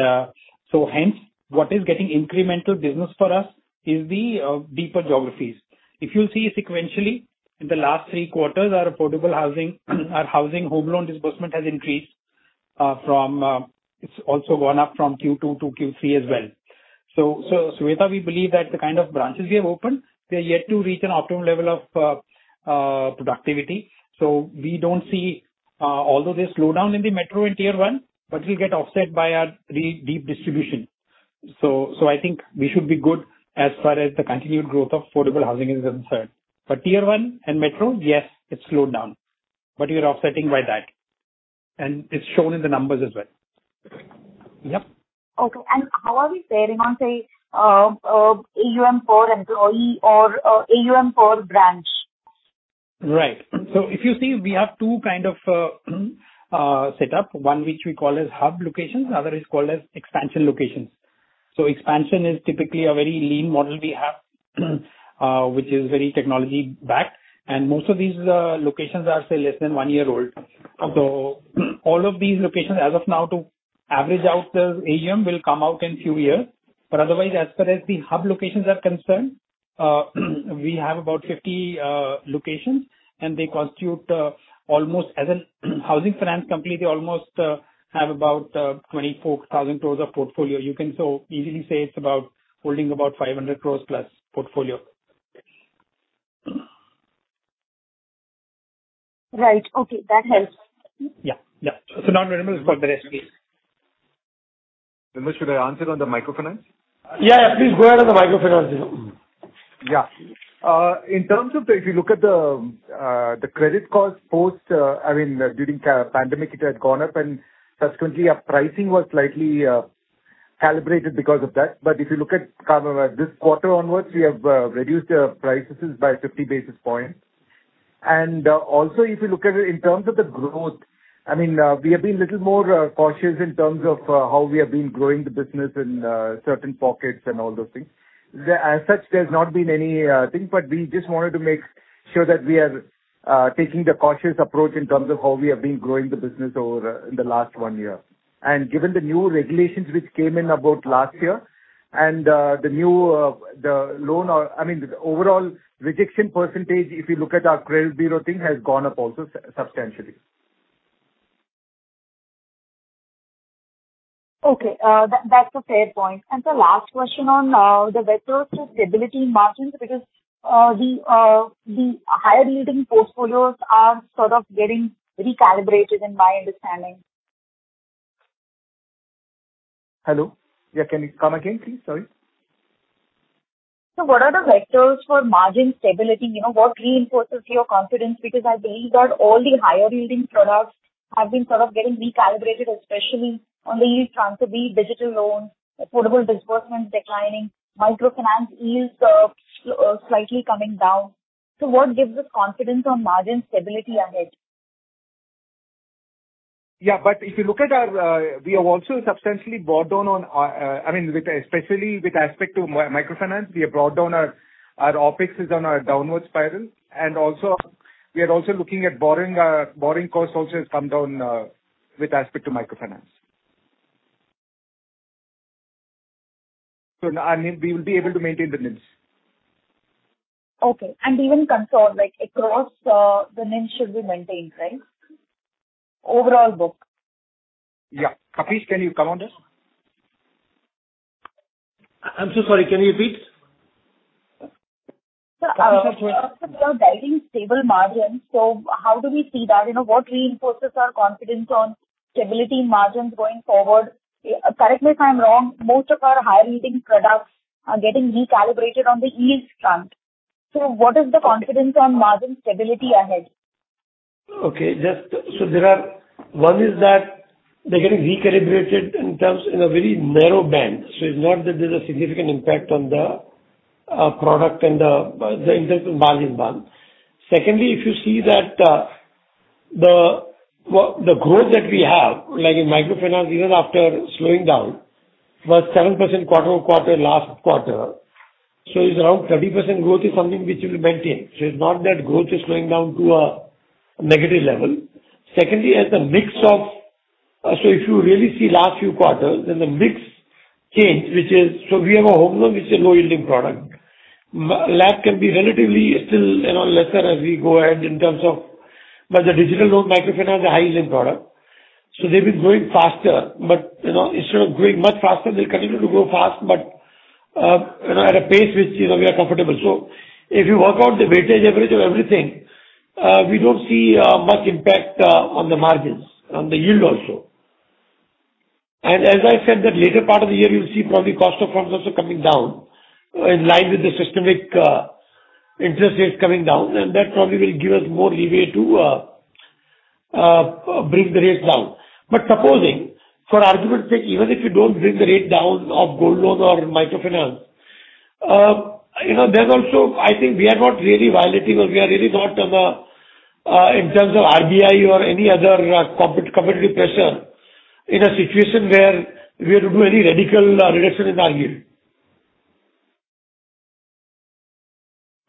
so hence, what is getting incremental business for us is the deeper geographies. If you see sequentially, in the last three quarters, our affordable housing, our housing home loan disbursement has increased, from... It's also gone up from Q2 to Q3 as well. So, Shweta, we believe that the kind of branches we have opened, they're yet to reach an optimum level of productivity. So we don't see, although there's slowdown in the metro in Tier 1, but we get offset by our deeper distribution. So I think we should be good as far as the continued growth of affordable housing is concerned. But Tier 1 and metro, yes, it's slowed down, but we are offsetting by that, and it's shown in the numbers as well. Yep. Okay, and how are we faring on, say, AUM per employee or AUM per branch? Right. So if you see, we have two kind of setup, one which we call as hub locations, another is called as expansion locations. So expansion is typically a very lean model we have, which is very technology-backed, and most of these locations are, say, less than one year old. So all of these locations as of now, to average out the AUM, will come out in few years. But otherwise, as far as the hub locations are concerned, we have about 50 locations, and they constitute almost as a housing finance company, they almost have about 24,000 crore of portfolio. You can so easily say it's about holding about 500 crore plus portfolio. Right. Okay, that helps. Yeah, yeah. So now, Nirmal, got the rest, please. Nirmal, should I answer on the microfinance? Yeah, please go ahead on the microfinance. Yeah. In terms of the. If you look at the, the credit cost post, I mean, during pandemic, it had gone up, and subsequently our pricing was slightly calibrated because of that. But if you look at, kind of, this quarter onwards, we have reduced our prices by 50 basis points. And also, if you look at it in terms of the growth, I mean, we have been little more cautious in terms of how we have been growing the business in certain pockets and all those things. There, as such, there's not been any thing, but we just wanted to make sure that we are taking the cautious approach in terms of how we have been growing the business over in the last one year. And given the new regulations which came in about last year and the new, I mean, the overall rejection percentage, if you look at our credit bureau thing, has gone up also substantially. Okay, that's a fair point. And the last question on the vectors to stability margins, because the higher-yielding portfolios are sort of getting recalibrated in my understanding. Hello? Yeah, can you come again, please? Sorry. So what are the vectors for margin stability? You know, what reinforces your confidence? Because I believe that all the higher-yielding products have been sort of getting recalibrated, especially on the yield transfer, be digital loans, affordable disbursements declining, microfinance yields, slightly coming down. So what gives us confidence on margin stability ahead? Yeah, but if you look at our, we have also substantially brought down on our, I mean, with especially with respect to microfinance, we have brought down our, our OpEx is on a downward spiral. And also, we are also looking at borrowing. Borrowing cost also has come down, with respect to microfinance. So now, I mean, we will be able to maintain the NIMs. Okay. And even concerned, like, across, the NIMs should be maintained, right? Overall book. Yeah. Kapish, can you come on this? I'm so sorry, can you repeat? Sir, you are guiding stable margins, so how do we see that? You know, what reinforces our confidence on stability margins going forward? Correct me if I'm wrong, most of our high-yielding products are getting recalibrated on the yield front. So what is the confidence on margin stability ahead? Okay, just so there are, one is that they're getting recalibrated in terms, in a very narrow band, so it's not that there's a significant impact on the product and the interest and margin band. Secondly, if you see that, the, well, the growth that we have, like in microfinance, even after slowing down, was 7% quarter-over-quarter last quarter. So it's around 30% growth is something which we'll maintain. So it's not that growth is going down to a negative level. Secondly, as the mix of... so if you really see last few quarters, then the mix change, which is, so we have a home loan, which is a low-yielding product. MSME LAP can be relatively still, you know, lesser as we go ahead in terms of, but the digital loan, microfinance, are high-yielding product, so they've been growing faster. But, you know, instead of growing much faster, they'll continue to grow fast, but, you know, at a pace which, you know, we are comfortable. So if you work out the weighted average of everything, we don't see much impact on the margins, on the yield also. And as I said, that later part of the year, you'll see probably cost of funds also coming down, in line with the systemic interest rates coming down, and that probably will give us more leeway to bring the rates down. But supposing, for argument's sake, even if you don't bring the rate down of gold loan or microfinance, you know, there's also... I think we are not really violating or we are really not on the, in terms of RBI or any other, competitive pressure in a situation where we have to do any radical, reduction in our yield.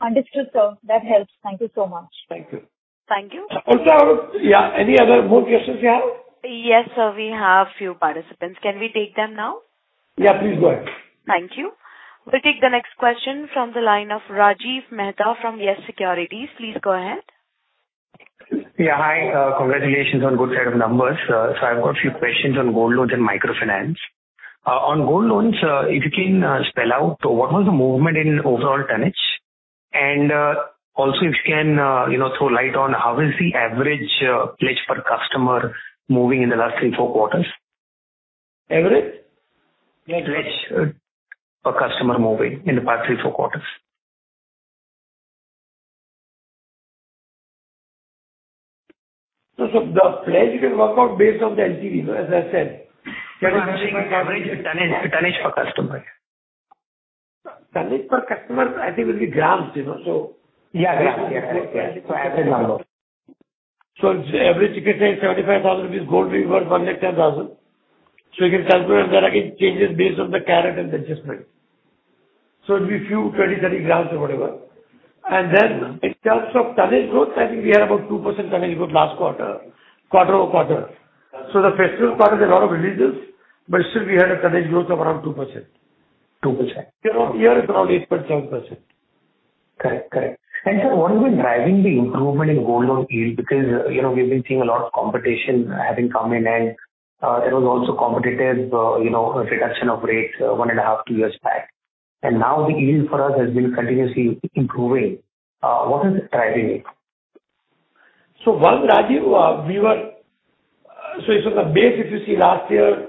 Understood, sir. That helps. Thank you so much. Thank you. Thank you. Also, yeah, any other more questions you have? Yes, sir, we have few participants. Can we take them now? Yeah, please go ahead. Thank you. We'll take the next question from the line of Rajiv Mehta from Yes Securities. Please go ahead. Yeah, hi, congratulations on good set of numbers. So I've got a few questions on gold loans and microfinance. On gold loans, if you can, spell out what was the movement in overall tonnage? And, also if you can, you know, throw light on how is the average pledge per customer moving in the last three, four quarters? Average? Yeah, pledge per customer moving in the past 3, 4 quarters. So, the pledge you can work out based on the LTV, as I said. No, I'm asking average tonnage, tonnage per customer. Tonnage per customer, I think, will be grams, you know, so. Yeah, grams. Yeah, correct. Yeah. So average ticket size, 75,000 rupees, gold worth 110,000. So you can calculate that. It changes based on the carat and the adjustment. So it'll be few, 20, 30 grams or whatever. And then in terms of tonnage growth, I think we had about 2% tonnage growth last quarter quarter-over-quarter. So the festival quarter is a lot of releases, but still we had a tonnage growth of around 2%. 2%. Year-on-year, it's around 8.7%. Correct. Correct. And sir, what has been driving the improvement in gold loan yield? Because, you know, we've been seeing a lot of competition having come in, and there was also competitive, you know, reduction of rates, 1.5-2 years back. And now the yield for us has been continuously improving. What is driving it? So, one, Rajiv. So if on the base, if you see last year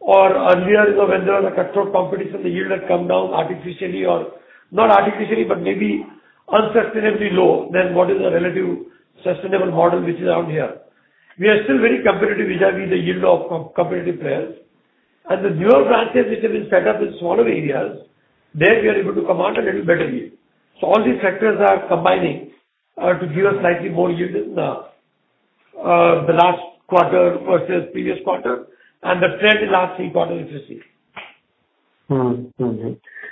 or earlier, you know, when there was a cutthroat competition, the yield had come down artificially or not artificially, but maybe unsustainably low than what is the relative sustainable model which is around here. We are still very competitive vis-a-vis the yield of competitive players. And the newer branches which have been set up in smaller areas, there we are able to command a little better yield. So all these factors are combining to give us slightly more yield in the last quarter versus previous quarter, and the trend in last three quarter is the same. Mm-hmm. Mm-hmm.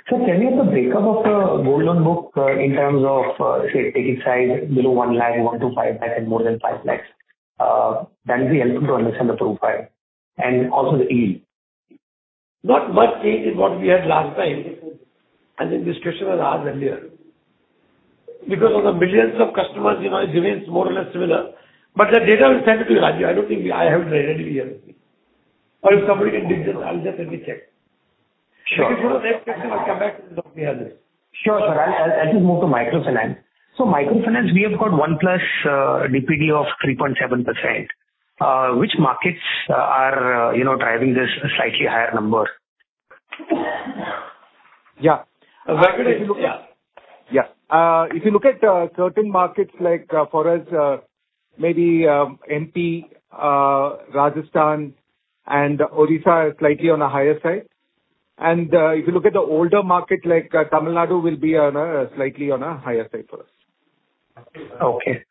Sir, can you give the breakup of the gold loan book, in terms of, say, ticket size below 1 lakh, 1 lakh-5 lakh, and more than 5 lakhs? That will be helpful to understand the profile and also the yield. Not much change in what we had last time, and the discussion was asked earlier. Because of the millions of customers, you know, it remains more or less similar. But the data will send it to you, Rajiv. I don't think I have it ready here. Or if somebody can dig it, I'll just let me check. Sure. If you want, I'll come back to you on this. Sure, sir. I'll just move to microfinance. So microfinance, we have got one plus DPD of 3.7%. Which markets are, you know, driving this slightly higher number? Yeah. Yeah. Yeah. If you look at certain markets like, for us, maybe MP, Rajasthan and Odisha are slightly on a higher side. If you look at the older market, like, Tamil Nadu will be on a, slightly on a higher side for us. Okay.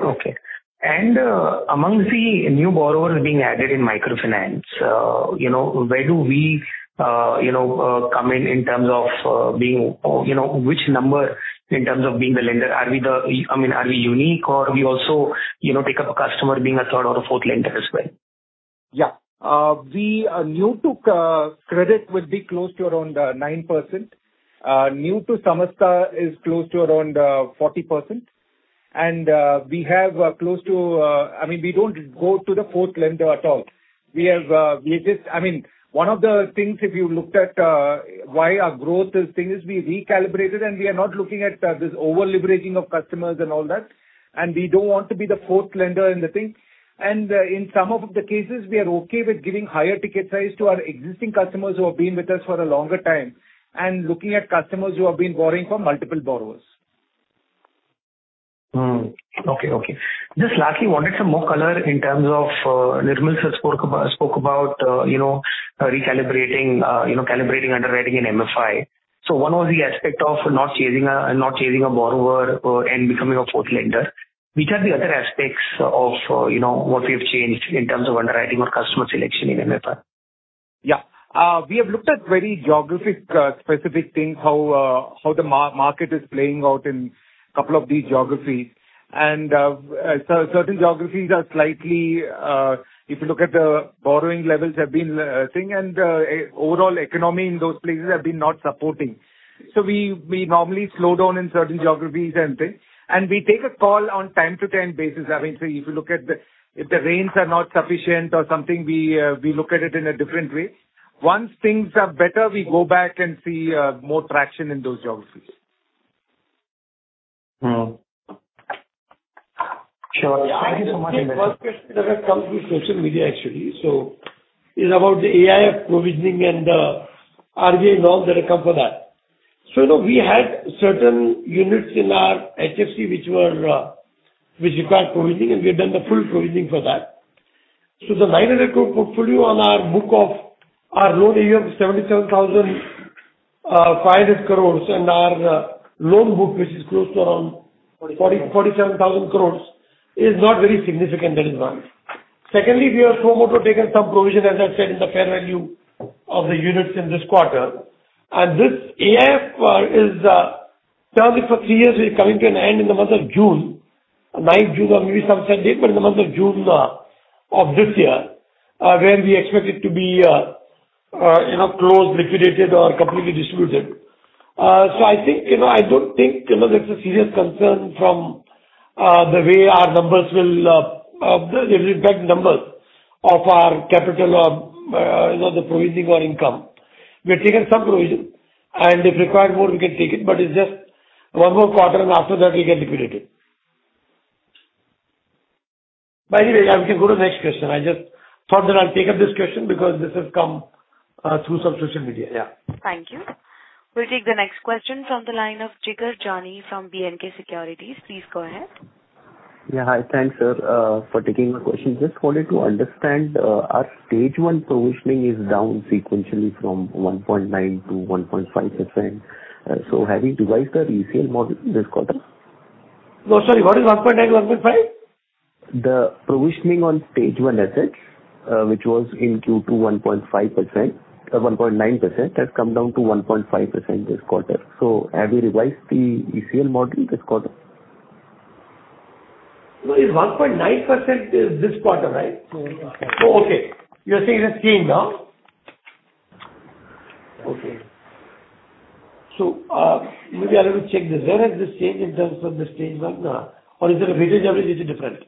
Okay. And, among the new borrowers being added in microfinance, you know, where do we, you know, come in, in terms of, being, or, you know, which number in terms of being the lender? Are we the... I mean, are we unique or we also, you know, pick up a customer being a third or a fourth lender as well? Yeah. We, new to credit, will be close to around 9%. New to Samasta is close to around 40%. And we have close to—I mean, we don't go to the fourth lender at all. We have—we just—I mean, one of the things, if you looked at why our growth is thing, is we recalibrated, and we are not looking at this over-leveraging of customers and all that, and we don't want to be the fourth lender in the thing. And in some of the cases, we are okay with giving higher ticket size to our existing customers who have been with us for a longer time, and looking at customers who have been borrowing from multiple borrowers. Okay, okay. Just lastly, wanted some more color in terms of, Nirmal spoke about, you know, recalibrating, you know, calibrating underwriting in MFI. So one was the aspect of not chasing a borrower and becoming a fourth lender. Which are the other aspects of, you know, what we've changed in terms of underwriting or customer selection in MFI? Yeah. We have looked at very geographically specific things, how the market is playing out in couple of these geographies. And certain geographies are slightly, if you look at the borrowing levels have been thing, and overall economy in those places have been not supporting. So we normally slow down in certain geographies and things, and we take a call on time to time basis. I mean, so if you look at the... If the rains are not sufficient or something, we look at it in a different way. Once things are better, we go back and see more traction in those geographies. Hmm. Sure. Thank you so much. Yeah, one question that has come through social media, actually, so it's about the AIF provisioning and RBI norms that have come for that. So, you know, we had certain units in our HFC, which were, which required provisioning, and we've done the full provisioning for that. So the 900 crore portfolio on our book of our loan AUM, 77,500 crore, and our loan book, which is close to around- Forty. 47,000 crore is not very significant than advance. Secondly, we have proactively taken some provision, as I said, in the fair value of the units in this quarter. And this AIF is termed for three years, is coming to an end in the month of June, 9th June or maybe some Sunday, but in the month of June of this year, where we expect it to be, you know, closed, liquidated or completely distributed. So I think, you know, I don't think, you know, that's a serious concern from the way our numbers will, it will impact the numbers of our capital or, you know, the provisioning or income. We have taken some provision, and if required more, we can take it, but it's just one more quarter, and after that, we get liquidated. By the way, yeah, we can go to the next question. I just thought that I'd take up this question because this has come through some social media. Yeah. Thank you. We'll take the next question from the line of Jigar Jani from B&K Securities. Please go ahead. Yeah. Hi, thanks, sir, for taking my question. Just wanted to understand, our Stage 1 provisioning is down sequentially from 1.9%-1.5%. So have you revised the ECL model this quarter? No, sorry, what is 1.9, 1.5? The provisioning on Stage 1 assets, which was in Q2, 1.5% or 1.9%, has come down to 1.5% this quarter. So have you revised the ECL model this quarter? No, it's 1.9% is this quarter, right? So, uh- So, okay, you're saying it is came down? Okay. So, maybe I'll have to check this. Where is this change in terms of the Stage 1, or is it a weighted average, is it different?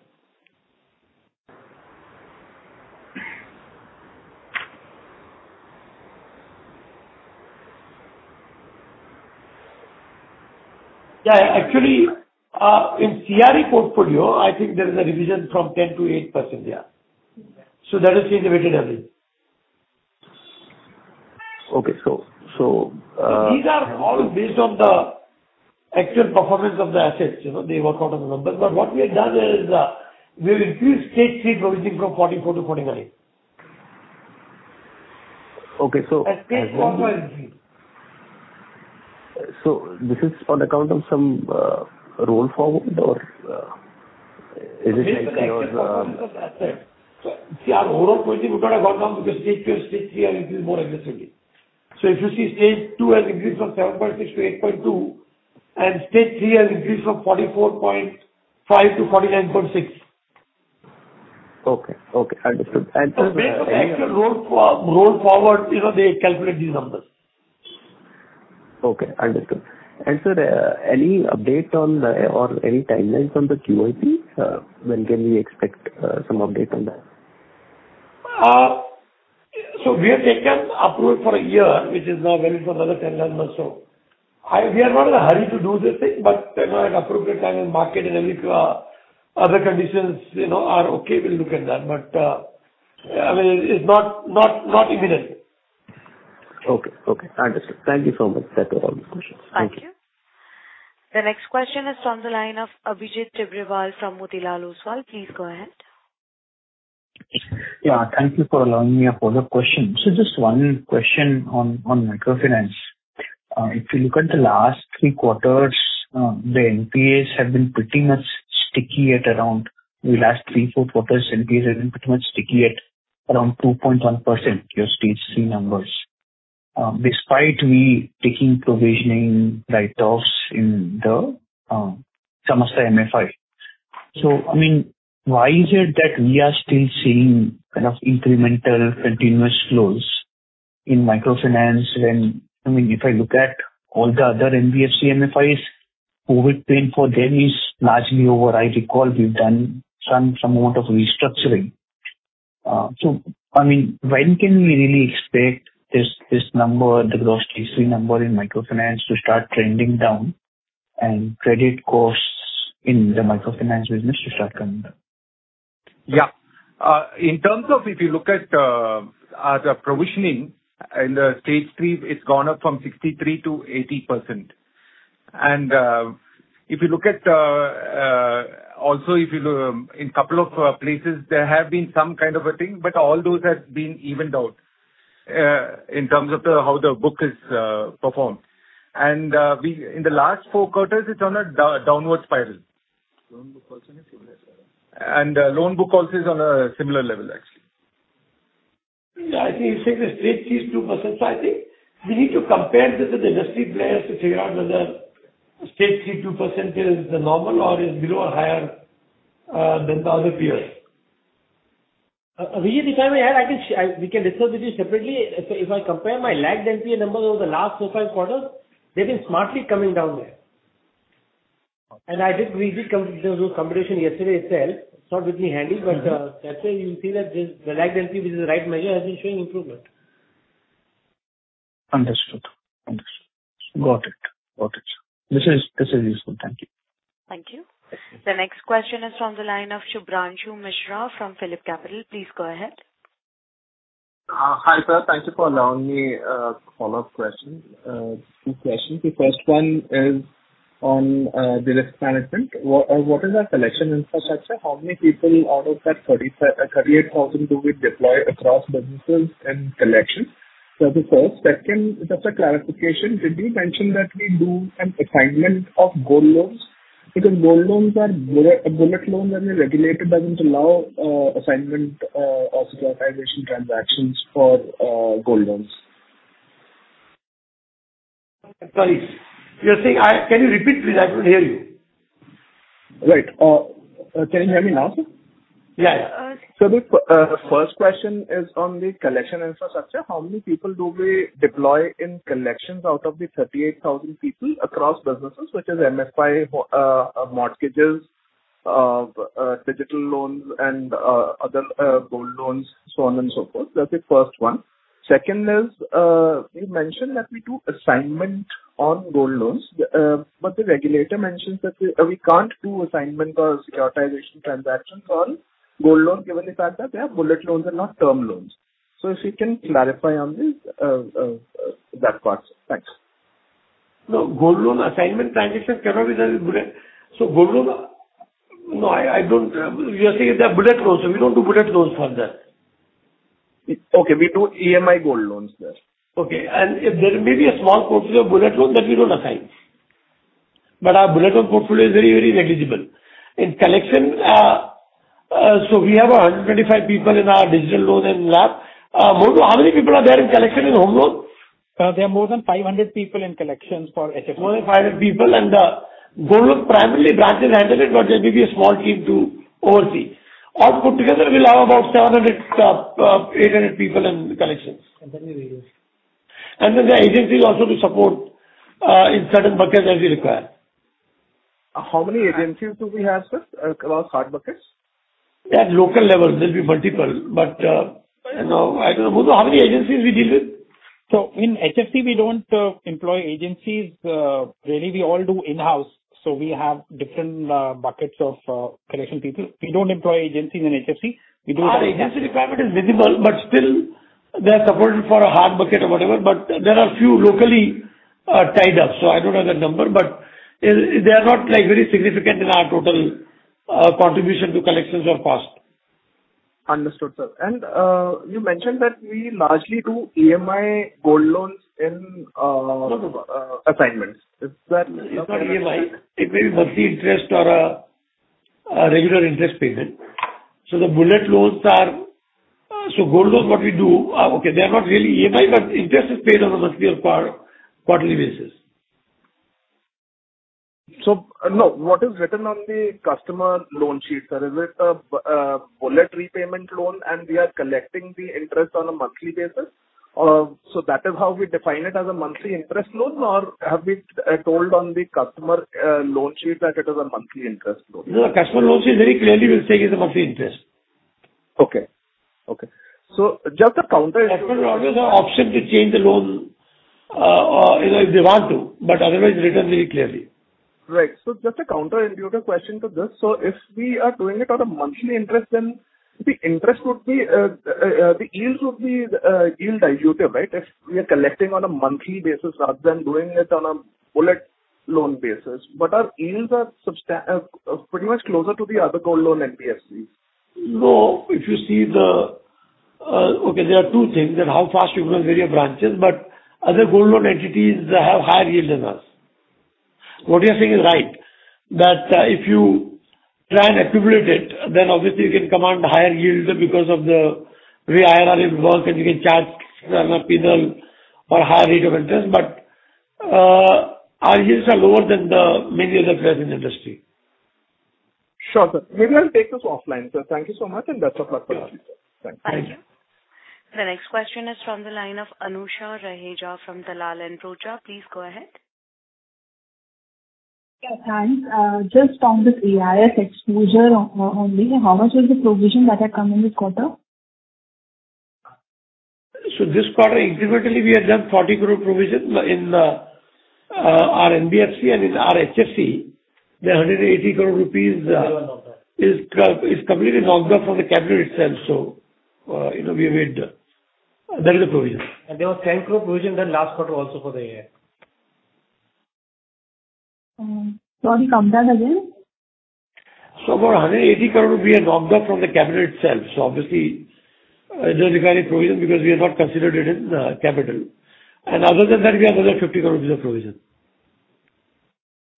Yeah, actually, in CRE portfolio, I think there is a revision from 10%-8%. Yeah. So that is the weighted average. Okay. So, These are all based on the actual performance of the assets, you know, they work out on the numbers. But what we have done is, we've increased Stage 3 provisioning from 44 to 49. Okay, so- Stage 4 has increased. So this is on account of some roll forward or is it actually or See, our overall provisioning would have gone down because Stage 2 and Stage 3 are increased more aggressively. So if you see Stage 2 has increased from 7.6-8.2, and Stage 3 has increased from 44.5-49.6. Okay, okay. Understood. And, sir- Based on the actual roll-forward, you know, they calculate these numbers. Okay, understood. And sir, any update or any timelines on the QIP? When can we expect some update on that? So we have taken approval for a year, which is now valid for another ten months or so. We are not in a hurry to do this thing, but you know, at appropriate time in market and every other conditions, you know, are okay, we'll look at that. But I mean, it's not imminent. Okay, okay. Understood. Thank you so much. That was all my questions. Thank you. Thank you. The next question is from the line of Abhijit Tibrewal from Motilal Oswal. Please go ahead. Yeah, thank you for allowing me a follow-up question. So just one question on microfinance. If you look at the last three quarters, the NPAs have been pretty much sticky at around the last three, four quarters, NPAs have been pretty much sticky at around 2.1%, your Stage 3 numbers, despite we taking provisioning write-offs in the Samasta MFI. So, I mean, why is it that we are still seeing kind of incremental continuous flows in microfinance? When, I mean, if I look at all the other NBFC MFIs, COVID pain for them is largely over. I recall we've done some amount of restructuring. So, I mean, when can we really expect this number, the gross GC number in microfinance to start trending down and credit costs in the microfinance business to start coming down? Yeah. In terms of if you look at the provisioning and the Stage 3, it's gone up from 63%-80%. And if you look at also if you look in couple of places, there have been some kind of a thing, but all those have been evened out in terms of the- how the book is performed. And we, in the last four quarters, it's on a downward spiral. Loan book also is similar. And loan book also is on a similar level, actually. Yeah, I think you said the Stage 3 is 2%. So I think we need to compare this with industry players to figure out whether Stage 3, 2% is the normal or is below or higher than the other peers. With the time we had, I think we can discuss this separately. If I compare my lagged NPA numbers over the last 4-5 quarters, they've been smartly coming down there. Okay. And I did read it, comments on those competitors yesterday itself. It's not with me handy, but that's why you see that this, the lagged NPA, which is the right measure, has been showing improvement. Understood. Understood. Got it. Got it. This is, this is useful. Thank you. Thank you. The next question is from the line of Shubhranshu Mishra from Phillip Capital. Please go ahead. Hi, sir. Thank you for allowing me, follow-up question. Two questions. The first one is on, the risk management. What, what is our collection infrastructure? How many people out of that 38,000 do we deploy across businesses and collection? So that's first. Second, just a clarification: Did we mention that we do an assignment of gold loans? Because gold loans are bullet loans, and we're regulated by them to allow, assignment, or securitization transactions for, gold loans. Sorry. Can you repeat, please? I couldn't hear you. Right. Can you hear me now, sir? Yeah. So the first question is on the collection infrastructure. How many people do we deploy in collections out of the 38,000 people across businesses such as MFI, mortgages, digital loans, and other gold loans, so on and so forth. That's the first one. Second is, you mentioned that we do assignment on gold loans, but the regulator mentions that we, we can't do assignment or securitization transactions on gold loans given the fact that they are bullet loans and not term loans. So if you can clarify on this, that part. Thanks. No, gold loan assignment transaction cannot be done with bullet. So gold loan, no, I, I don't... You are saying they're bullet loans, so we don't do bullet loans for that. Okay, we do EMI gold loans there. Okay. And if there may be a small portfolio of bullet loan, that we don't assign. But our bullet loan portfolio is very, very negligible. In collections, so we have 125 people in our digital loan and LAP. How many people are there in collections in home loans? There are more than 500 people in collections for HFC. More than 500 people, and gold loans, primarily branches handle it, but there may be a small team to oversee. All put together, we'll have about 700-800 people in collections. Absolutely, yes. And then there are agencies also to support in certain buckets as we require. How many agencies do we have, sir, across hard buckets? At local levels, there'll be multiple, but, you know, I don't know. How many agencies we deal with? So in HFC, we don't employ agencies. Really, we all do in-house. So we have different buckets of collection people. We don't employ agencies in HFC. Our agency requirement is visible, but still they're supported for a hard bucket or whatever. But there are a few locally tied up, so I don't have that number, but they, they are not, like, very significant in our total contribution to collections of cost. Understood, sir. You mentioned that we largely do EMI gold loans in, No. assignments. Is that- It's not EMI. It may be monthly interest or a regular interest payment. So the bullet loans are... So gold loans, what we do, okay, they are not really EMI, but interest is paid on a monthly or quarterly basis. So, no, what is written on the customer loan sheet, sir? Is it a bullet repayment loan, and we are collecting the interest on a monthly basis? So that is how we define it as a monthly interest loan or have we told on the customer loan sheet that it is a monthly interest loan? No, the customer loan sheet very clearly will say it's a monthly interest. Okay. Okay. So just a counter- Customer always have option to change the loan, you know, if they want to, but otherwise, written very clearly. Right. So just a counterintuitive question to this: So if we are doing it on a monthly interest, then the interest would be, the yield would be yield dilutive, right? If we are collecting on a monthly basis rather than doing it on a bullet loan basis. But our yields are pretty much closer to the other gold loan NBFCs. No, if you see the... Okay, there are two things, that how fast you grow various branches, but other gold loan entities have higher yield than us. What you are saying is right, that if you try and accumulate it, then obviously you can command higher yield because of the way IRR works, and you can charge a penal or higher rate of interest. But our yields are lower than the many others that are in the industry. Sure, sir. Maybe I'll take this offline, sir. Thank you so much, and best of luck for you. Thank you. The next question is from the line of Anusha Raheja from Dalal & Broacha. Please go ahead. Yeah, thanks. Just on this AIF exposure only, how much was the provision that had come in this quarter? So this quarter, incrementally, we have done 40 crore provision in our NBFC and in our HFC. The 180 crore rupees is completely knocked off from the capital itself, so, you know, we have made that is the provision. There was INR 10 crore provision than last quarter also for the year. So are we comfortable again? About 180 crore rupees, we have knocked off from the capital itself, so obviously, it doesn't require a provision because we have not considered it in capital. And other than that, we have another 50 crore of provision.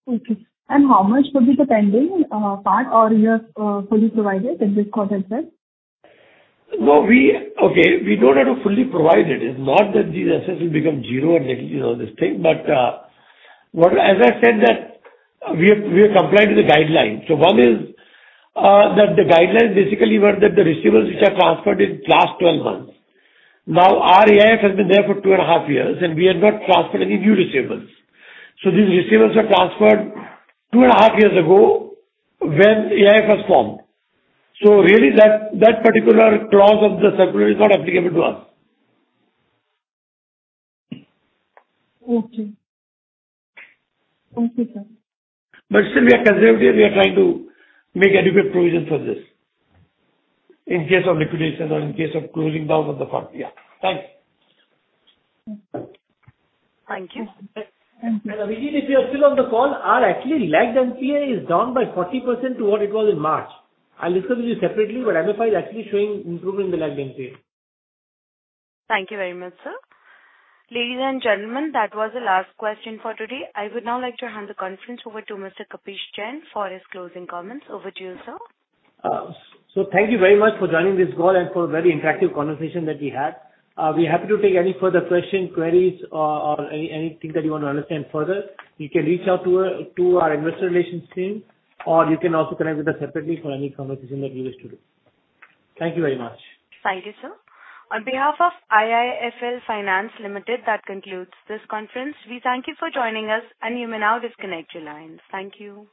Okay, and how much could be the pending part, or you have fully provided in this quarter itself? No. Okay, we don't have to fully provide it. It's not that these assets will become zero and then, you know, this thing, but, as I said, that we have, we are complying to the guidelines. So one is, that the guidelines basically were that the receivables which are transferred in last 12 months. Now, our AIF has been there for 2.5 years, and we have not transferred any new receivables. So these receivables were transferred 2.5 years ago when AIF was formed. So really, that particular clause of the circular is not applicable to us. Okay. Okay, sir. But still, we are conservative, we are trying to make adequate provision for this in case of liquidation or in case of closing down of the firm. Yeah, thanks. Thank you. [Vipin] if you are still on the call, our actually lagged NPA is down by 40% to what it was in March. I'll discuss with you separately, but MFI is actually showing improvement in the lagged NPA. Thank you very much, sir. Ladies and gentlemen, that was the last question for today. I would now like to hand the conference over to Mr. Kapish Jain for his closing comments. Over to you, sir. So thank you very much for joining this call and for a very interactive conversation that we had. We're happy to take any further question, queries, or any anything that you want to understand further. You can reach out to to our investor relations team, or you can also connect with us separately for any conversation that you wish to do. Thank you very much. Thank you, sir. On behalf of IIFL Finance Limited, that concludes this conference. We thank you for joining us, and you may now disconnect your lines. Thank you.